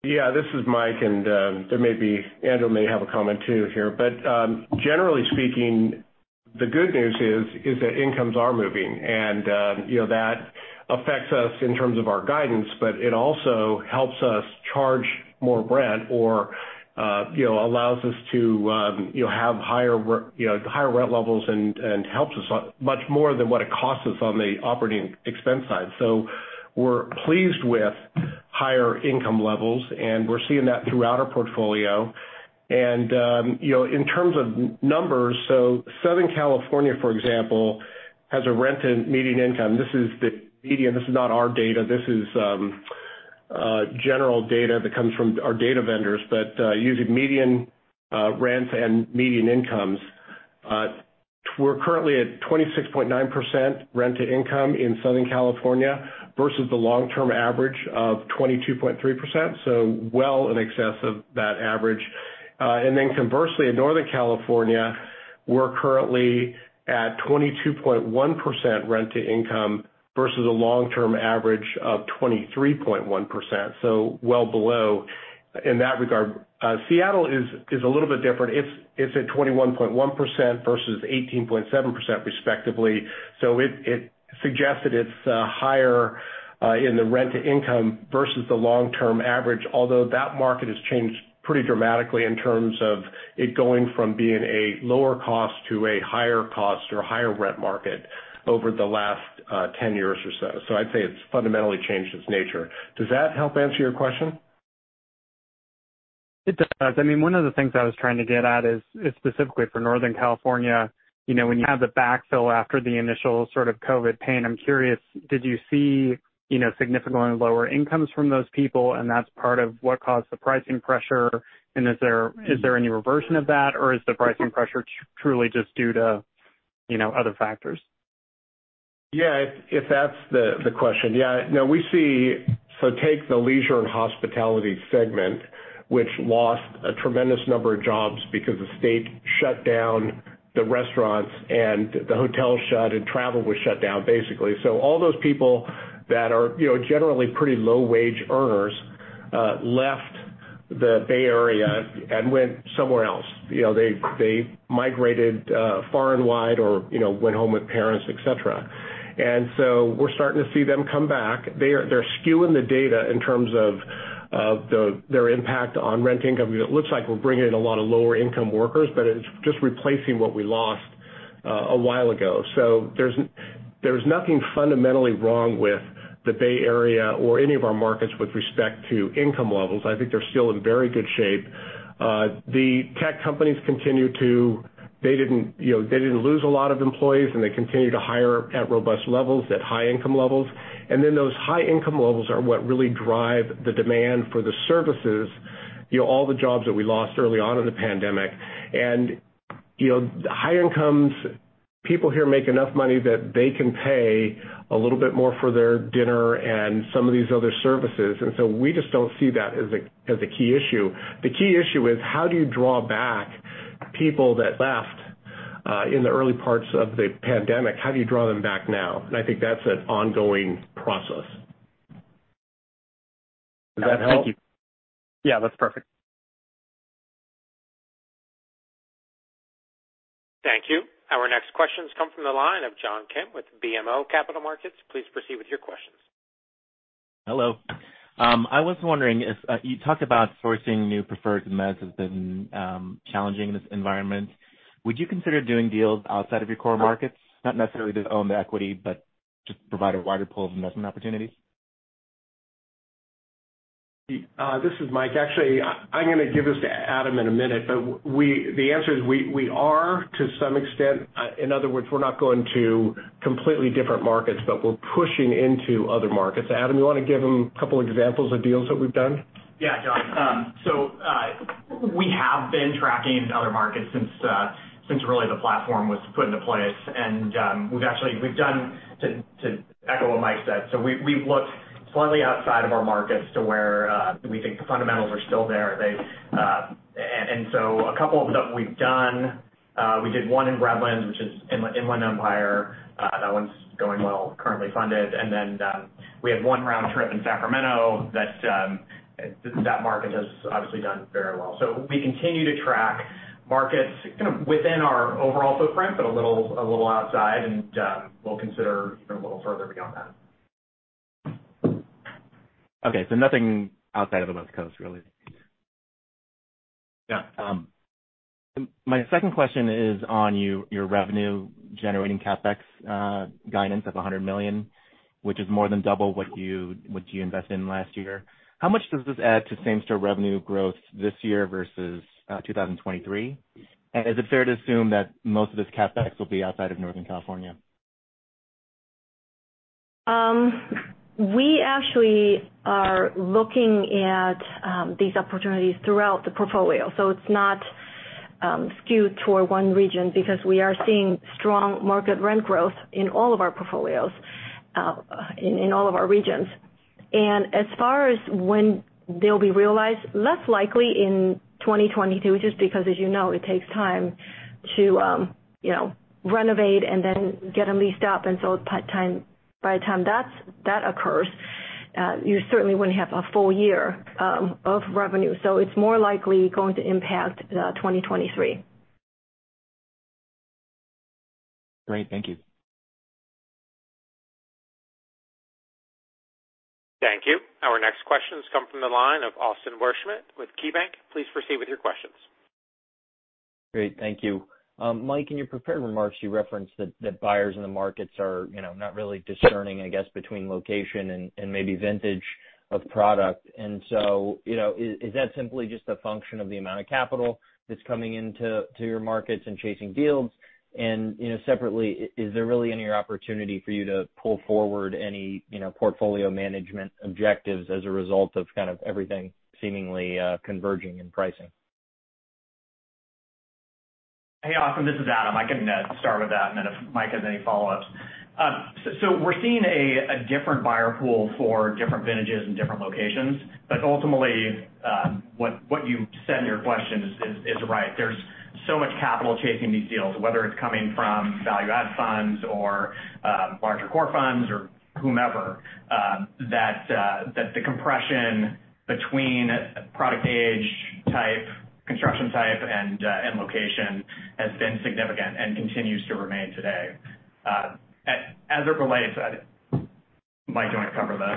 Yeah, this is Mike, and there may be Adam may have a comment too here. Generally speaking, the good news is that incomes are moving and you know, that affects us in terms of our guidance, but it also helps us charge more rent or you know, allows us to have higher rent levels and helps us much more than what it costs us on the operating expense side. We're pleased with higher income levels, and we're seeing that throughout our portfolio. You know, in terms of numbers, Southern California, for example, has a rent-to-median income. This is the median. This is not our data. This is general data that comes from our data vendors. Using median rents and median incomes, we're currently at 26.9% rent-to-income in Southern California versus the long-term average of 22.3%, so well in excess of that average. Conversely, in Northern California, we're currently at 22.1% rent-to-income versus a long-term average of 23.1%, so well below in that regard. Seattle is a little bit different. It's at 21.1% versus 18.7% respectively. It suggests that it's higher in the rent-to-income versus the long-term average, although that market has changed pretty dramatically in terms of it going from being a lower cost to a higher cost or higher rent market over the last 10 years or so. I'd say it's fundamentally changed its nature. Does that help answer your question? It does. I mean, one of the things I was trying to get at is specifically for Northern California, you know, when you have the backfill after the initial sort of COVID pain, I'm curious, did you see, you know, significantly lower incomes from those people, and that's part of what caused the pricing pressure? Is there any reversion of that, or is the pricing pressure truly just due to, you know, other factors? Yeah, if that's the question. Yeah. No, we see. Take the leisure and hospitality segment, which lost a tremendous number of jobs because the state shut down the restaurants and the hotels shut and travel was shut down, basically. All those people that are, you know, generally pretty low-wage earners left the Bay Area and went somewhere else. You know, they migrated far and wide or, you know, went home with parents, et cetera. We're starting to see them come back. They're skewing the data in terms of their impact on rent-to-income. It looks like we're bringing in a lot of lower-income workers, but it's just replacing what we lost a while ago. There's nothing fundamentally wrong with the Bay Area or any of our markets with respect to income levels. I think they're still in very good shape. The tech companies continue to. They didn't, you know, lose a lot of employees, and they continue to hire at robust levels at high income levels. Those high income levels are what really drive the demand for the services, you know, all the jobs that we lost early on in the pandemic. You know, high incomes, people here make enough money that they can pay a little bit more for their dinner and some of these other services. We just don't see that as a key issue. The key issue is how do you draw back people that left in the early parts of the pandemic? How do you draw them back now? I think that's an ongoing process. Does that help? Thank you. Yeah, that's perfect. Thank you. Our next questions come from the line of John Kim with BMO Capital Markets. Please proceed with your questions. Hello. I was wondering if you talked about how sourcing new preferred methods has been challenging in this environment. Would you consider doing deals outside of your core markets, not necessarily to own the equity, but just to provide a wider pool of investment opportunities. This is Mike. Actually, I'm gonna give this to Adam in a minute, but the answer is we are to some extent. In other words, we're not going to completely different markets, but we're pushing into other markets. Adam, you wanna give him a couple examples of deals that we've done? Yeah, John. We have been tracking into other markets since really the platform was put into place. We've done to echo what Mike said. We've looked slightly outside of our markets to where we think the fundamentals are still there. A couple of them we've done, we did one in Redlands, which is Inland Empire. That one's going well, currently funded. We have one round trip in Sacramento that that market has obviously done very well. We continue to track markets kind of within our overall footprint, but a little outside and we'll consider even a little further beyond that. Okay. Nothing outside of the West Coast, really? No. My second question is on your revenue generating CapEx guidance of $100 million, which is more than double what you invested in last year. How much does this add to same-store revenue growth this year versus 2023? Is it fair to assume that most of this CapEx will be outside of Northern California? We actually are looking at these opportunities throughout the portfolio. It's not skewed toward one region because we are seeing strong market rent growth in all of our portfolios in all of our regions. As far as when they'll be realized, less likely in 2022, just because as you know, it takes time. To, you know, renovate and then get them leased up until time, by the time that occurs, you certainly wouldn't have a full year of revenue. So it's more likely going to impact 2023. Great. Thank you. Thank you. Our next question comes from the line of Austin Wurschmidt with KeyBanc. Please proceed with your questions. Great. Thank you. Mike, in your prepared remarks, you referenced that buyers in the markets are, you know, not really discerning, I guess, between location and maybe vintage of product. You know, is that simply just a function of the amount of capital that's coming into your markets and chasing deals? You know, separately, is there really any opportunity for you to pull forward any, you know, portfolio management objectives as a result of kind of everything seemingly converging in pricing? Hey, Austin, this is Adam. I can start with that, and then if Mike has any follow-ups. So we're seeing a different buyer pool for different vintages and different locations. Ultimately, what you said in your question is right. There's so much capital chasing these deals, whether it's coming from value add funds or larger core funds or whomever, that the compression between product age, type, construction type, and location has been significant and continues to remain today. As it relates, Mike, do you want to cover the...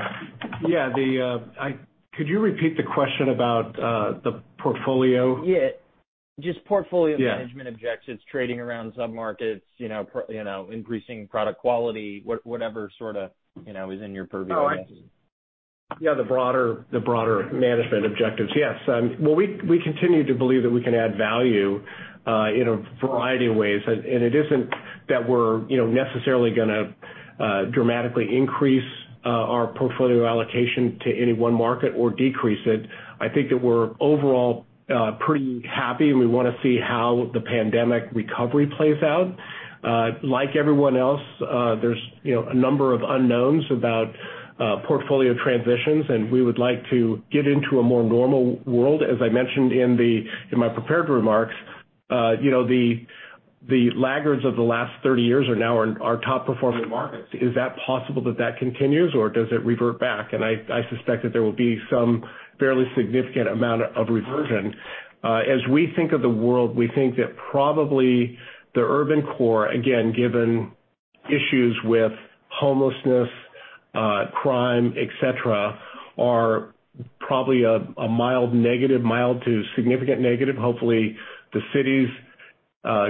Yeah. Could you repeat the question about the portfolio? Yeah. Just portfolio. Yeah management objectives, trading around submarkets, you know, increasing product quality, whatever sorta, you know, is in your purview, I guess. Oh, I see. Yeah, the broader management objectives. Yes. Well, we continue to believe that we can add value in a variety of ways. It isn't that we're, you know, necessarily gonna dramatically increase our portfolio allocation to any one market or decrease it. I think that we're overall pretty happy, and we wanna see how the pandemic recovery plays out. Like everyone else, there's, you know, a number of unknowns about portfolio transitions, and we would like to get into a more normal world. As I mentioned in my prepared remarks, you know, the laggards of the last 30 years are now our top performing markets. Is that possible that continues, or does it revert back? I suspect that there will be some fairly significant amount of reversion. As we think of the world, we think that probably the urban core, again, given issues with homelessness, crime, et cetera, are probably a mild negative, mild to significant negative. Hopefully, the cities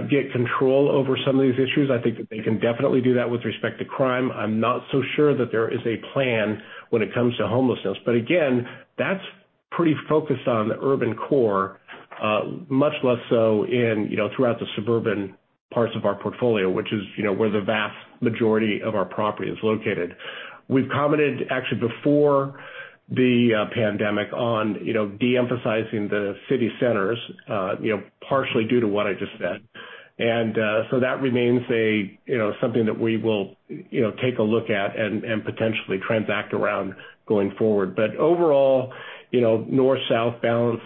get control over some of these issues. I think that they can definitely do that with respect to crime. I'm not so sure that there is a plan when it comes to homelessness. But again, that's pretty focused on the urban core, much less so in, you know, throughout the suburban parts of our portfolio, which is, you know, where the vast majority of our property is located. We've commented actually before the pandemic on, you know, de-emphasizing the city centers, partially due to what I just said. that remains a you know something that we will you know take a look at and potentially transact around going forward. Overall you know north-south balance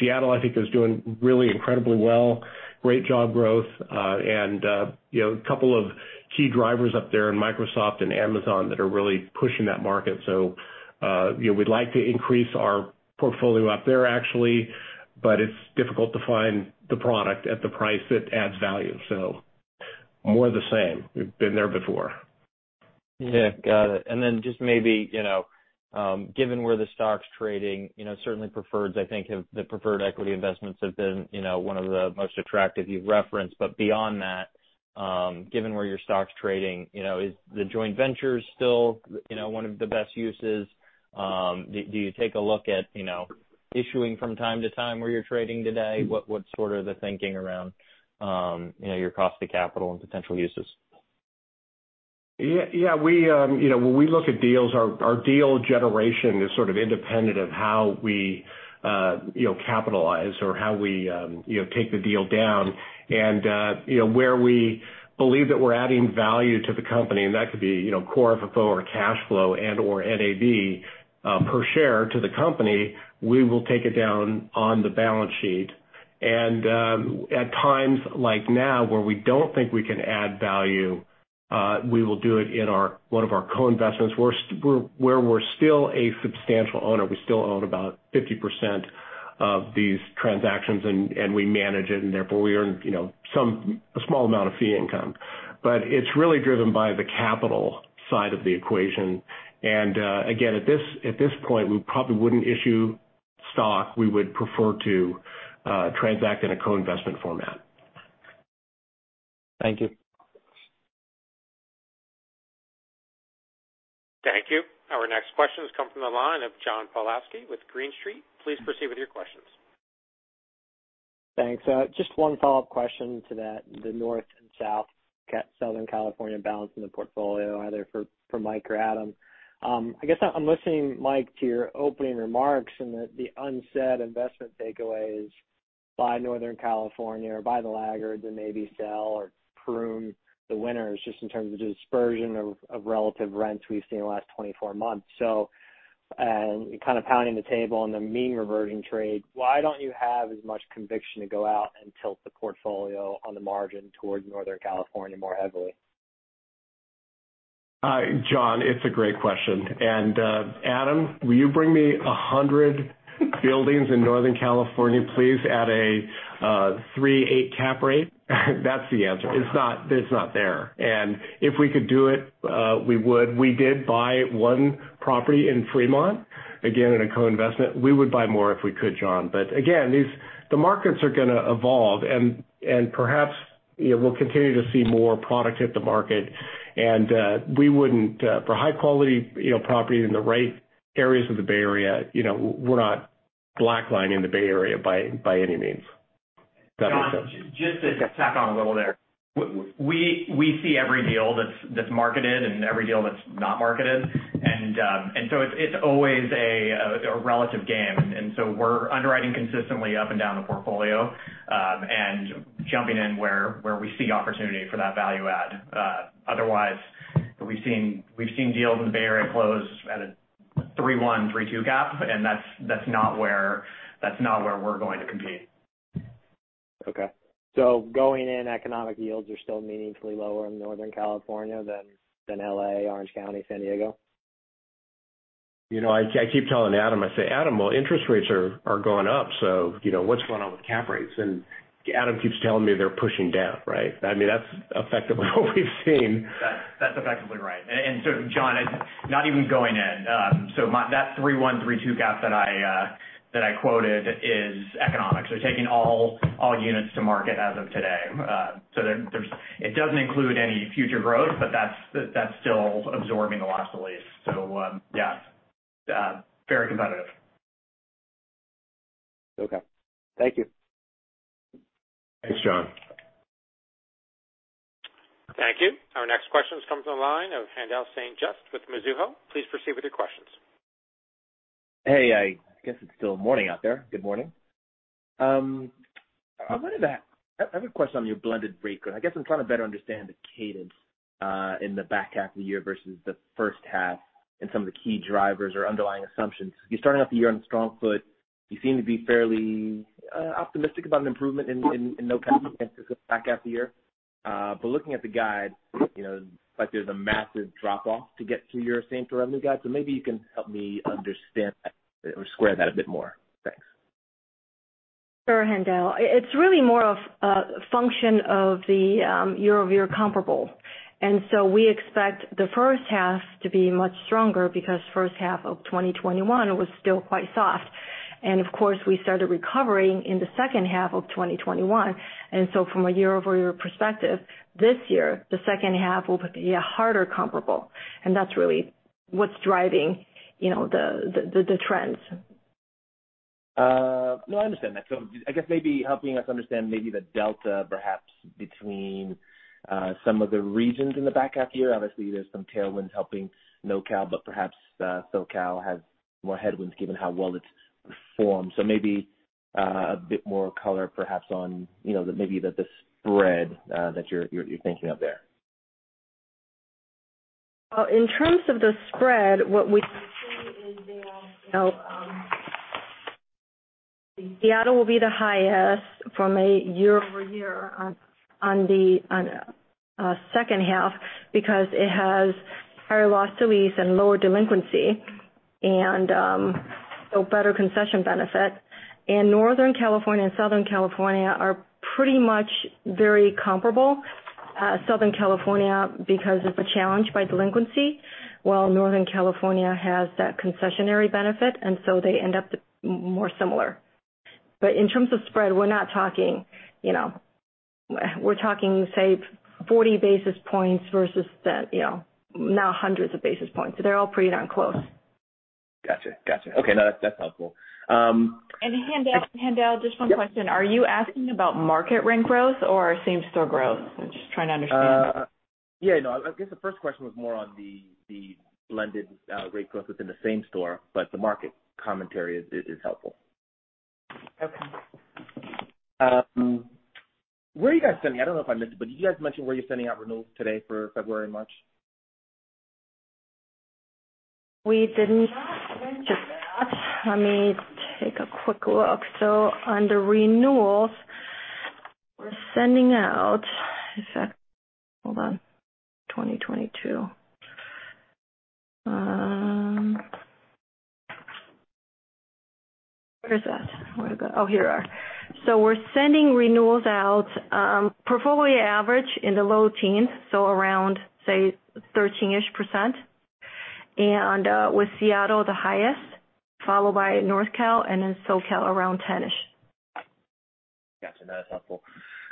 Seattle I think is doing really incredibly well great job growth and you know a couple of key drivers up there in Microsoft and Amazon that are really pushing that market. You know we'd like to increase our portfolio up there actually but it's difficult to find the product at the price that adds value. More the same. We've been there before. Yeah. Got it. Just maybe, you know, given where the stock's trading, you know, certainly preferreds, I think, have the preferred equity investments been, you know, one of the most attractive you've referenced. But beyond that, given where your stock's trading, you know, is the joint ventures still, you know, one of the best uses? Do you take a look at, you know, issuing from time to time where you're trading today? What's sort of the thinking around, you know, your cost of capital and potential uses? Yeah, yeah. We, you know, when we look at deals, our deal generation is sort of independent of how we, you know, capitalize or how we, you know, take the deal down. You know, where we believe that we're adding value to the company, and that could be, you know, Core FFO or cash flow and/or NAV, per share to the company, we will take it down on the balance sheet. At times like now where we don't think we can add value, we will do it in one of our co-investments where we're still a substantial owner. We still own about 50% of these transactions, and we manage it, and therefore, we earn, you know, a small amount of fee income. It's really driven by the capital side of the equation. Again, at this point, we probably wouldn't issue stock. We would prefer to transact in a co-investment format. Thank you. Thank you. Our next question comes from the line of John Pawlowski with Green Street. Please proceed with your questions. Thanks. Just one follow-up question to that, the Northern and Southern California balance in the portfolio, either for Mike or Adam. I guess I'm listening, Mike, to your opening remarks and the unsaid investment takeaways by Northern California or by the laggards, and maybe sell or prune the winners just in terms of dispersion of relative rents we've seen in the last 24 months. Kind of pounding the table on the mean reversion trade, why don't you have as much conviction to go out and tilt the portfolio on the margin towards Northern California more heavily? John, it's a great question. Adam, will you bring me 100 buildings in Northern California, please, at a 3.8 cap rate? That's the answer. It's not there. If we could do it, we would. We did buy one property in Fremont, again, in a co-investment. We would buy more if we could, John. Again, these markets are gonna evolve and perhaps, you know, we'll continue to see more product hit the market and we would for high quality, you know, properties in the right areas of the Bay Area, you know, we're not redlining the Bay Area by any means. Got you. John, just to tack on a little there. We see every deal that's marketed and every deal that's not marketed. It's always a relative game. We're underwriting consistently up and down the portfolio, and jumping in where we see opportunity for that value add. Otherwise, we've seen deals in the Bay Area close at a 3.1-3.2 cap, and that's not where we're going to compete. Okay. Going in, economic yields are still meaningfully lower in Northern California than L.A., Orange County, San Diego? You know, I keep telling Adam, I say, "Adam, well, interest rates are going up, so, you know, what's going on with cap rates?" Adam keeps telling me they're pushing down, right? I mean, that's effectively what we've seen. That's effectively right. John, it's not even going in. My 3.1-3.2 gap that I quoted is economics. We're taking all units to market as of today. It doesn't include any future growth, but that's still absorbing the loss to lease. Yes, very competitive. Okay. Thank you. Thanks, John. Thank you. Our next question comes on the line of Haendel St. Juste with Mizuho. Please proceed with your questions. Hey, I guess it's still morning out there. Good morning. I wanted to ask. I have a question on your blended rate. I guess I'm trying to better understand the cadence in the back half of the year versus the first half and some of the key drivers or underlying assumptions. You're starting off the year on a strong foot. You seem to be fairly optimistic about an improvement in NoCal back half of the year. But looking at the guide, you know, like, there's a massive drop-off to get to your same-store revenue guide. Maybe you can help me understand or square that a bit more. Thanks. Sure, Haendel. It's really more of a function of the year-over-year comparable. We expect the first half to be much stronger because first half of 2021 was still quite soft. Of course, we started recovering in the second half of 2021, and so from a year-over-year perspective, this year, the second half will be a harder comparable, and that's really what's driving, you know, the trends. No, I understand that. I guess maybe helping us understand maybe the delta perhaps between some of the regions in the back half year. Obviously, there's some tailwinds helping NoCal, but perhaps SoCal has more headwinds given how well it's performed. Maybe a bit more color perhaps on, you know, maybe the spread that you're thinking of there. In terms of the spread, what we see is that, you know, Seattle will be the highest from a year-over-year on the second half because it has higher loss to lease and lower delinquency and so better concession benefit. Northern California and Southern California are pretty much very comparable. Southern California because of the challenged by delinquency, while Northern California has that concessionary benefit, and so they end up more similar. In terms of spread, we're not talking, you know. We're talking, say, 40 basis points versus the, you know, now hundreds of basis points. They're all pretty darn close. Gotcha. Okay. No, that's helpful. Haendel, just one question. Yep. Are you asking about market rent growth or same-store growth? I'm just trying to understand. Yeah, no, I guess the first question was more on the blended rate growth within the same store, but the market commentary is helpful. Okay. Where are you guys sending? I don't know if I missed it, but did you guys mention where you're sending out renewals today for February and March? We did not mention that. Let me take a quick look. Under renewals, we're sending out. In fact, hold on. 2022. Where is that? Where did it go? Oh, here we are. We're sending renewals out, portfolio average in the low teens, so around, say, 13-ish%. With Seattle the highest, followed by North Cal and then SoCal around 10-ish%. Gotcha. No, that's helpful.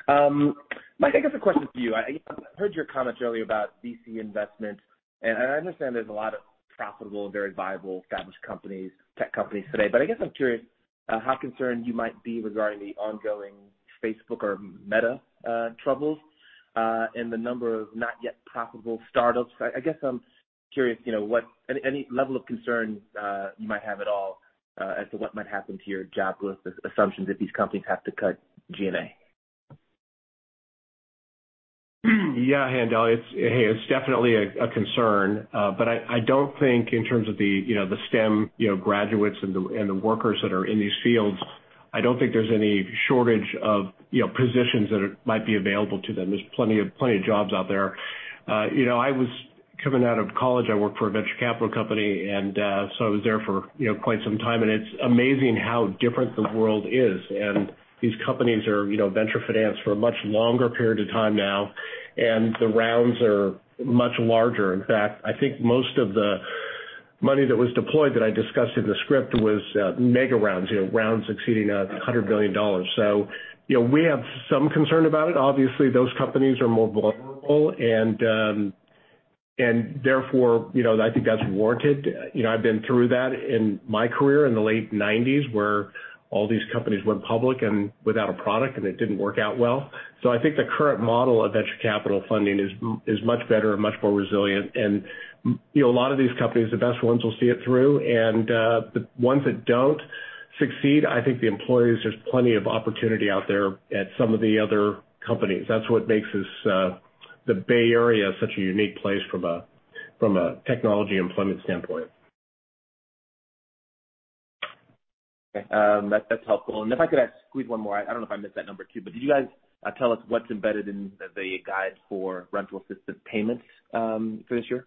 Mike, I guess a question for you. I heard your comments earlier about VC investments, and I understand there's a lot of profitable and very viable established companies, tech companies today. I guess I'm curious how concerned you might be regarding the ongoing Facebook or Meta troubles and the number of not yet profitable startups. I guess I'm curious, you know, what any level of concern you might have at all as to what might happen to your jobless assumptions that these companies have to cut G&A. Yeah, Haendel. Hey, it's definitely a concern. But I don't think in terms of you know, the STEM you know, graduates and the workers that are in these fields. I don't think there's any shortage of you know, positions that might be available to them. There's plenty of jobs out there. You know, I was coming out of college. I worked for a venture capital company, and so I was there for you know, quite some time, and it's amazing how different the world is. These companies are you know, venture financed for a much longer period of time now, and the rounds are much larger. In fact, I think most of the money that was deployed that I discussed in the script was mega rounds. You know, rounds exceeding $100 billion. You know, we have some concern about it. Obviously, those companies are more vulnerable and therefore, you know, I think that's warranted. You know, I've been through that in my career in the late 1990s, where all these companies went public and without a product, and it didn't work out well. I think the current model of venture capital funding is much better and much more resilient. You know, a lot of these companies, the best ones, will see it through. The ones that don't succeed, I think the employees, there's plenty of opportunity out there at some of the other companies. That's what makes this the Bay Area such a unique place from a technology employment standpoint. Okay. That's helpful. If I could ask, squeeze one more. I don't know if I missed that number two, but did you guys tell us what's embedded in the guide for rental assistance payments for this year?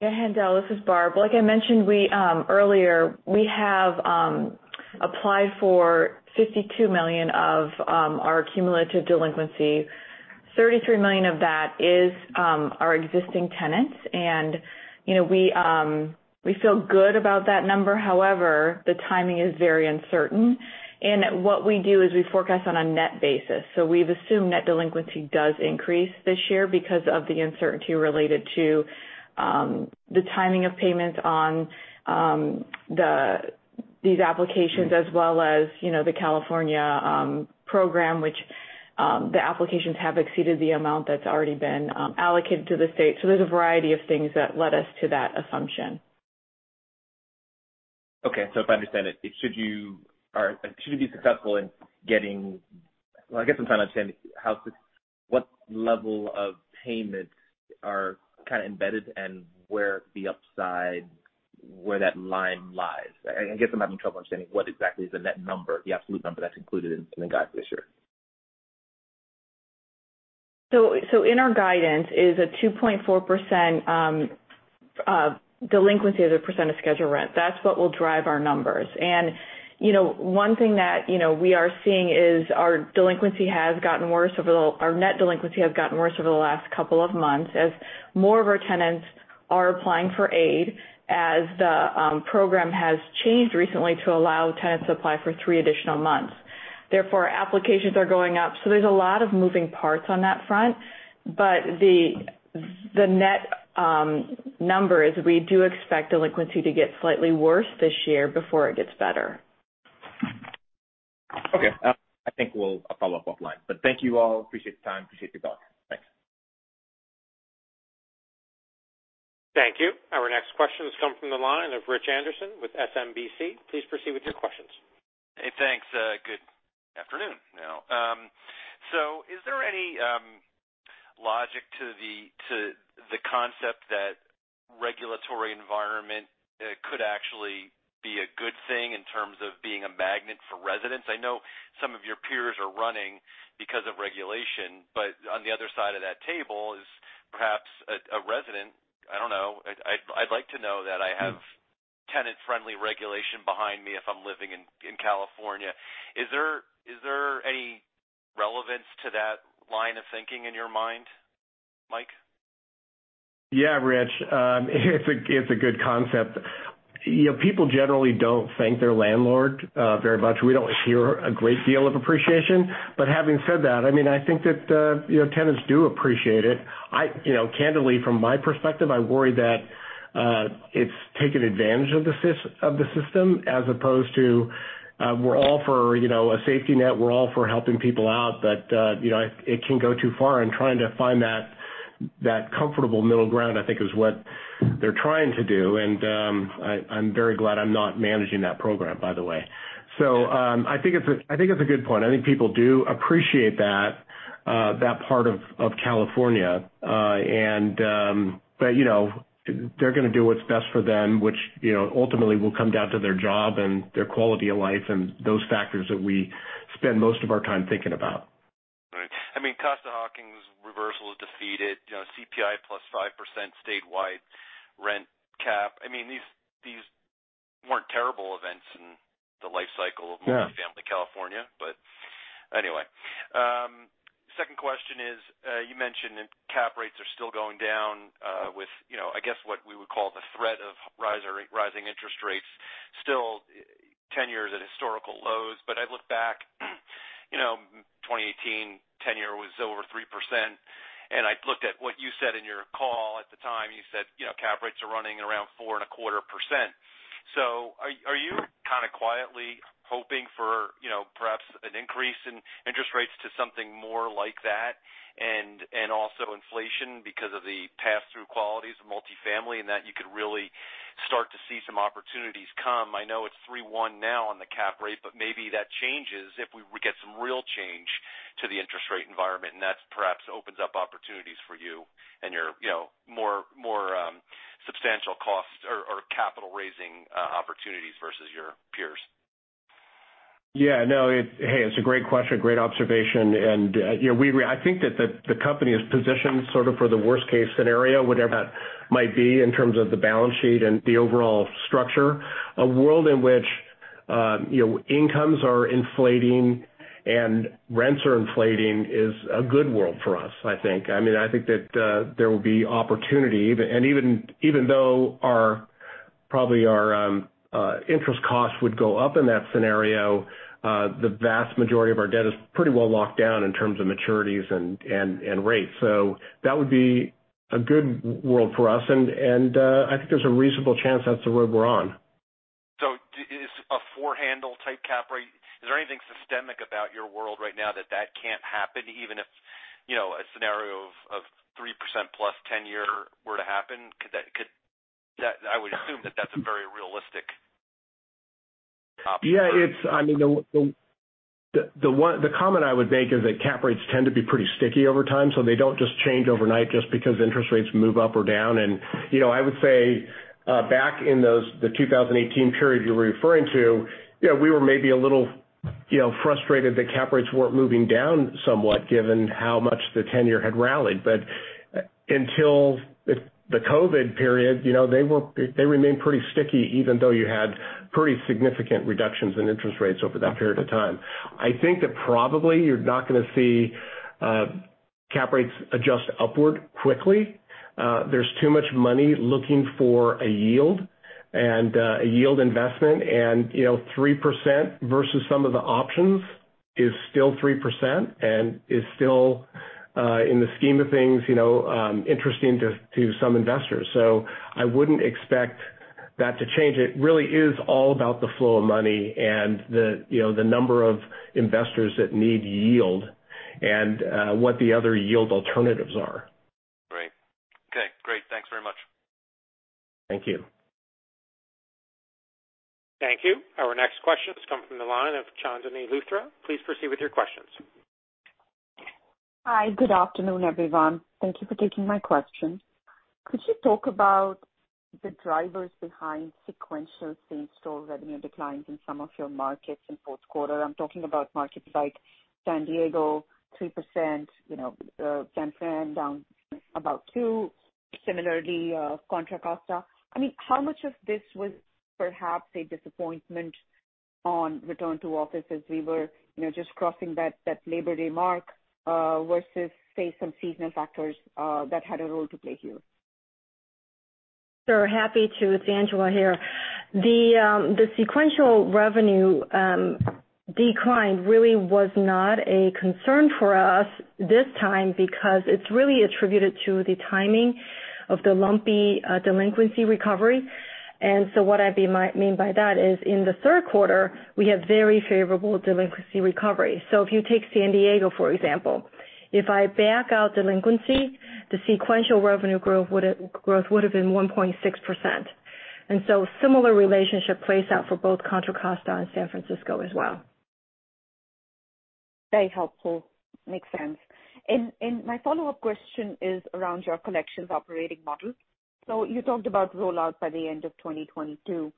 Yeah, Haendel, this is Barb. Like I mentioned earlier, we have applied for $52 million of our cumulative delinquency. $33 million of that is our existing tenants and, you know, we feel good about that number. However, the timing is very uncertain. What we do is we forecast on a net basis. We've assumed net delinquency does increase this year because of the uncertainty related to the timing of payments on these applications as well as, you know, the California program, which the applications have exceeded the amount that's already been allocated to the state. There's a variety of things that led us to that assumption. If I understand it, should you be successful in getting. Well, I guess I'm trying to understand what level of payments are kind of embedded and where the upside, where that line lies. I guess I'm having trouble understanding what exactly is the net number, the absolute number that's included in the guide for this year. In our guidance is a 2.4% delinquency as a percent of scheduled rent. That's what will drive our numbers. You know, one thing that, you know, we are seeing is our net delinquency has gotten worse over the last couple of months as more of our tenants are applying for aid, as the program has changed recently to allow tenants to apply for three additional months. Therefore, applications are going up. There's a lot of moving parts on that front. But the net number is we do expect delinquency to get slightly worse this year before it gets better. Okay. I think we'll follow up offline. Thank you all. Appreciate the time, appreciate the thoughts. Thanks. Thank you. Our next question comes from the line of Rich Anderson with SMBC. Please proceed with your questions. Hey, thanks. Good afternoon now. So is there any logic to the concept that regulatory environment could actually be a good thing in terms of being a magnet for residents? I know some of your peers are running because of regulation, but on the other side of that table is perhaps a resident. I don't know. I'd like to know that I have tenant-friendly regulation behind me if I'm living in California. Is there any relevance to that line of thinking in your mind, Mike? Yeah, Rich. It's a good concept. You know, people generally don't thank their landlord very much. We don't hear a great deal of appreciation. Having said that, I mean, I think that, you know, tenants do appreciate it. You know, candidly, from my perspective, I worry that it's taking advantage of the system as opposed to, we're all for, you know, a safety net. We're all for helping people out. It can go too far, and trying to find that comfortable middle ground, I think is what they're trying to do. I'm very glad I'm not managing that program, by the way. I think it's a good point. I think people do appreciate that part of California. You know, they're gonna do what's best for them, which, you know, ultimately will come down to their job and their quality of life and those factors that we spend most of our time thinking about. Right. I mean, Costa-Hawkins reversal is defeated, you know, CPI plus 5% statewide rent cap. I mean, these weren't terrible events in the life cycle. Yeah ...of multifamily California. Anyway. Second question is, you mentioned that cap rates are still going down, with, you know, I guess what we would call the threat of rising interest rates, still 10-year at historical lows. I look back, you know, 2018, 10-year was over 3%. I looked at what you said in your call at the time, you said, you know, cap rates are running around 4.25%. So are you kinda quietly hoping for, you know, perhaps an increase in interest rates to something more like that and also inflation because of the pass-through qualities of multifamily and that you could really Start to see some opportunities come. I know it's 3.1% now on the cap rate, but maybe that changes if we get some real change to the interest rate environment, and that perhaps opens up opportunities for you and your, you know, more substantial costs or capital raising opportunities versus your peers. Hey, it's a great question, great observation. I think that the company is positioned sort of for the worst case scenario, whatever that might be, in terms of the balance sheet and the overall structure. A world in which incomes are inflating and rents are inflating is a good world for us, I think. I mean, I think that there will be opportunity. Even though probably our interest costs would go up in that scenario, the vast majority of our debt is pretty well locked down in terms of maturities and rates. That would be a good world for us. I think there's a reasonable chance that's the road we're on. Is a 4 handle type cap rate, is there anything systemic about your world right now that can't happen even if, you know, a scenario of 3% plus 10-year were to happen? Could that? I would assume that that's a very realistic option for you. I mean, the comment I would make is that cap rates tend to be pretty sticky over time, so they don't just change overnight just because interest rates move up or down. You know, I would say back in the 2018 period you're referring to, you know, we were maybe a little, you know, frustrated that cap rates weren't moving down somewhat given how much the 10-year had rallied. Until the COVID period, you know, they remained pretty sticky, even though you had pretty significant reductions in interest rates over that period of time. I think that probably you're not gonna see cap rates adjust upward quickly. There's too much money looking for a yield and a yield investment. You know, 3% versus some of the options is still 3% and is still in the scheme of things, you know, interesting to some investors. I wouldn't expect that to change. It really is all about the flow of money and the, you know, the number of investors that need yield and what the other yield alternatives are. Right. Okay, great. Thanks very much. Thank you. Thank you. Our next question has come from the line of Chandni Luthra. Please proceed with your questions. Hi. Good afternoon, everyone. Thank you for taking my question. Could you talk about the drivers behind sequential same-store revenue declines in some of your markets in fourth quarter? I'm talking about markets like San Diego, 3%, you know, San Fran down about 2%, similarly, Contra Costa. I mean, how much of this was perhaps a disappointment on return to office as we were, you know, just crossing that Labor Day mark, versus, say, some seasonal factors that had a role to play here? Sure. Happy to. It's Angela here. The sequential revenue decline really was not a concern for us this time because it's really attributed to the timing of the lumpy delinquency recovery. What I might mean by that is in the third quarter, we had very favorable delinquency recovery. If you take San Diego, for example, if I back out delinquency, the sequential revenue growth would have been 1.6%. Similar relationship plays out for both Contra Costa and San Francisco as well. Very helpful. Makes sense. My follow-up question is around your collections operating model. You talked about rollout by the end of 2022.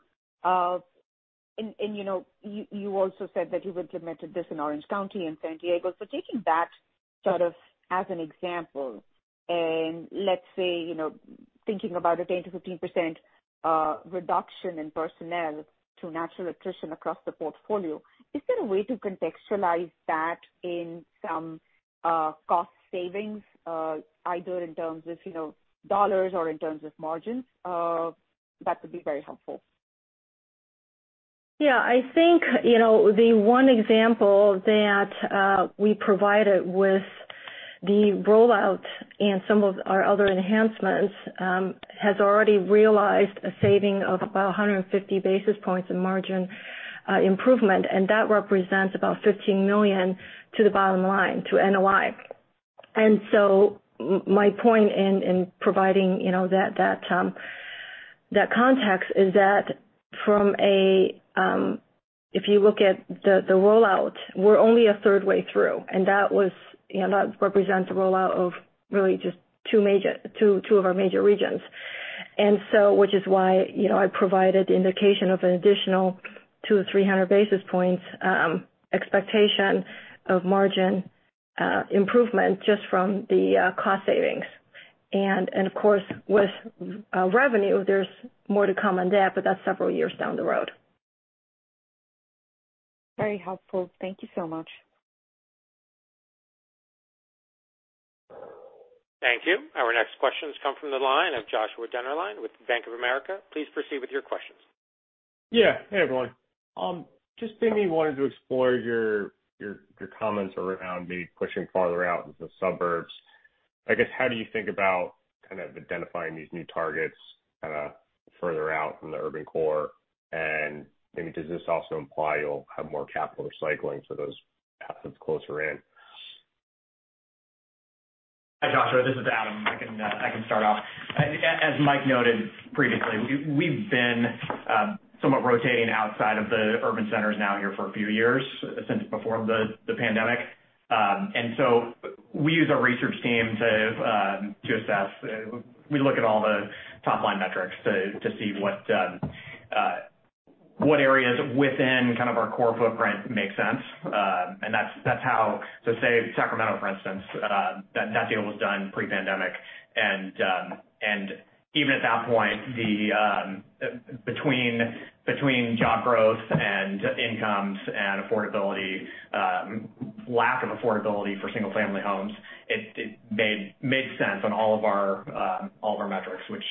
You know, you also said that you've implemented this in Orange County and San Diego. Taking that sort of as an example, let's say, you know, thinking about a 10%-15% reduction in personnel to natural attrition across the portfolio, is there a way to contextualize that in some cost savings, either in terms of dollars or in terms of margins? That would be very helpful. Yeah. I think, you know, the one example that we provided with the rollout and some of our other enhancements has already realized a saving of about 150 basis points in margin improvement, and that represents about $15 million to the bottom line, to NOI. My point in providing, you know, that context is that from a, if you look at the rollout, we're only a third way through, and that represents a rollout of really just two of our major regions. Which is why, you know, I provided indication of an additional 200-300 basis points expectation of margin improvement just from the cost savings. Of course, with revenue, there's more to come on that, but that's several years down the road. Very helpful. Thank you so much. Thank you. Our next question has come from the line of Joshua Dennerlein with Bank of America. Please proceed with your questions. Yeah. Hey, everyone. Just maybe wanted to explore your comments around maybe pushing farther out into the suburbs. I guess, how do you think about kind of identifying these new targets kinda further out from the urban core? Maybe does this also imply you'll have more capital recycling, so those assets closer in? Hi, Joshua, this is Adam. I can start off. As Mike noted previously, we've been somewhat rotating outside of the urban centers now here for a few years, since before the pandemic. We use our research team to assess. We look at all the top-line metrics to see what areas within kind of our core footprint makes sense. That's how. Say Sacramento, for instance, that deal was done pre-pandemic. Even at that point, between job growth and incomes and affordability, lack of affordability for single-family homes, it made sense on all of our metrics, which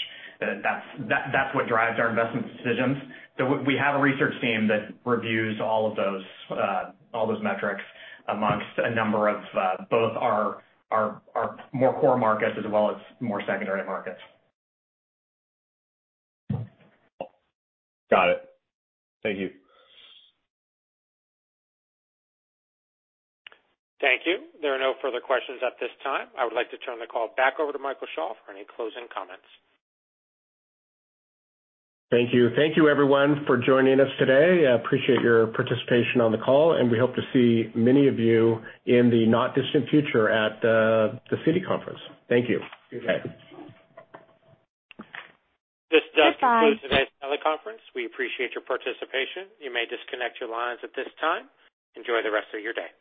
is what drives our investment decisions. We have a research team that reviews all of those metrics among a number of both our more core markets as well as more secondary markets. Got it. Thank you. Thank you. There are no further questions at this time. I would like to turn the call back over to Michael Schall for any closing comments. Thank you. Thank you everyone for joining us today. I appreciate your participation on the call, and we hope to see many of you in the not distant future at the Citi conference. Thank you. Okay. This does conclude today's teleconference. We appreciate your participation. You may disconnect your lines at this time. Enjoy the rest of your day.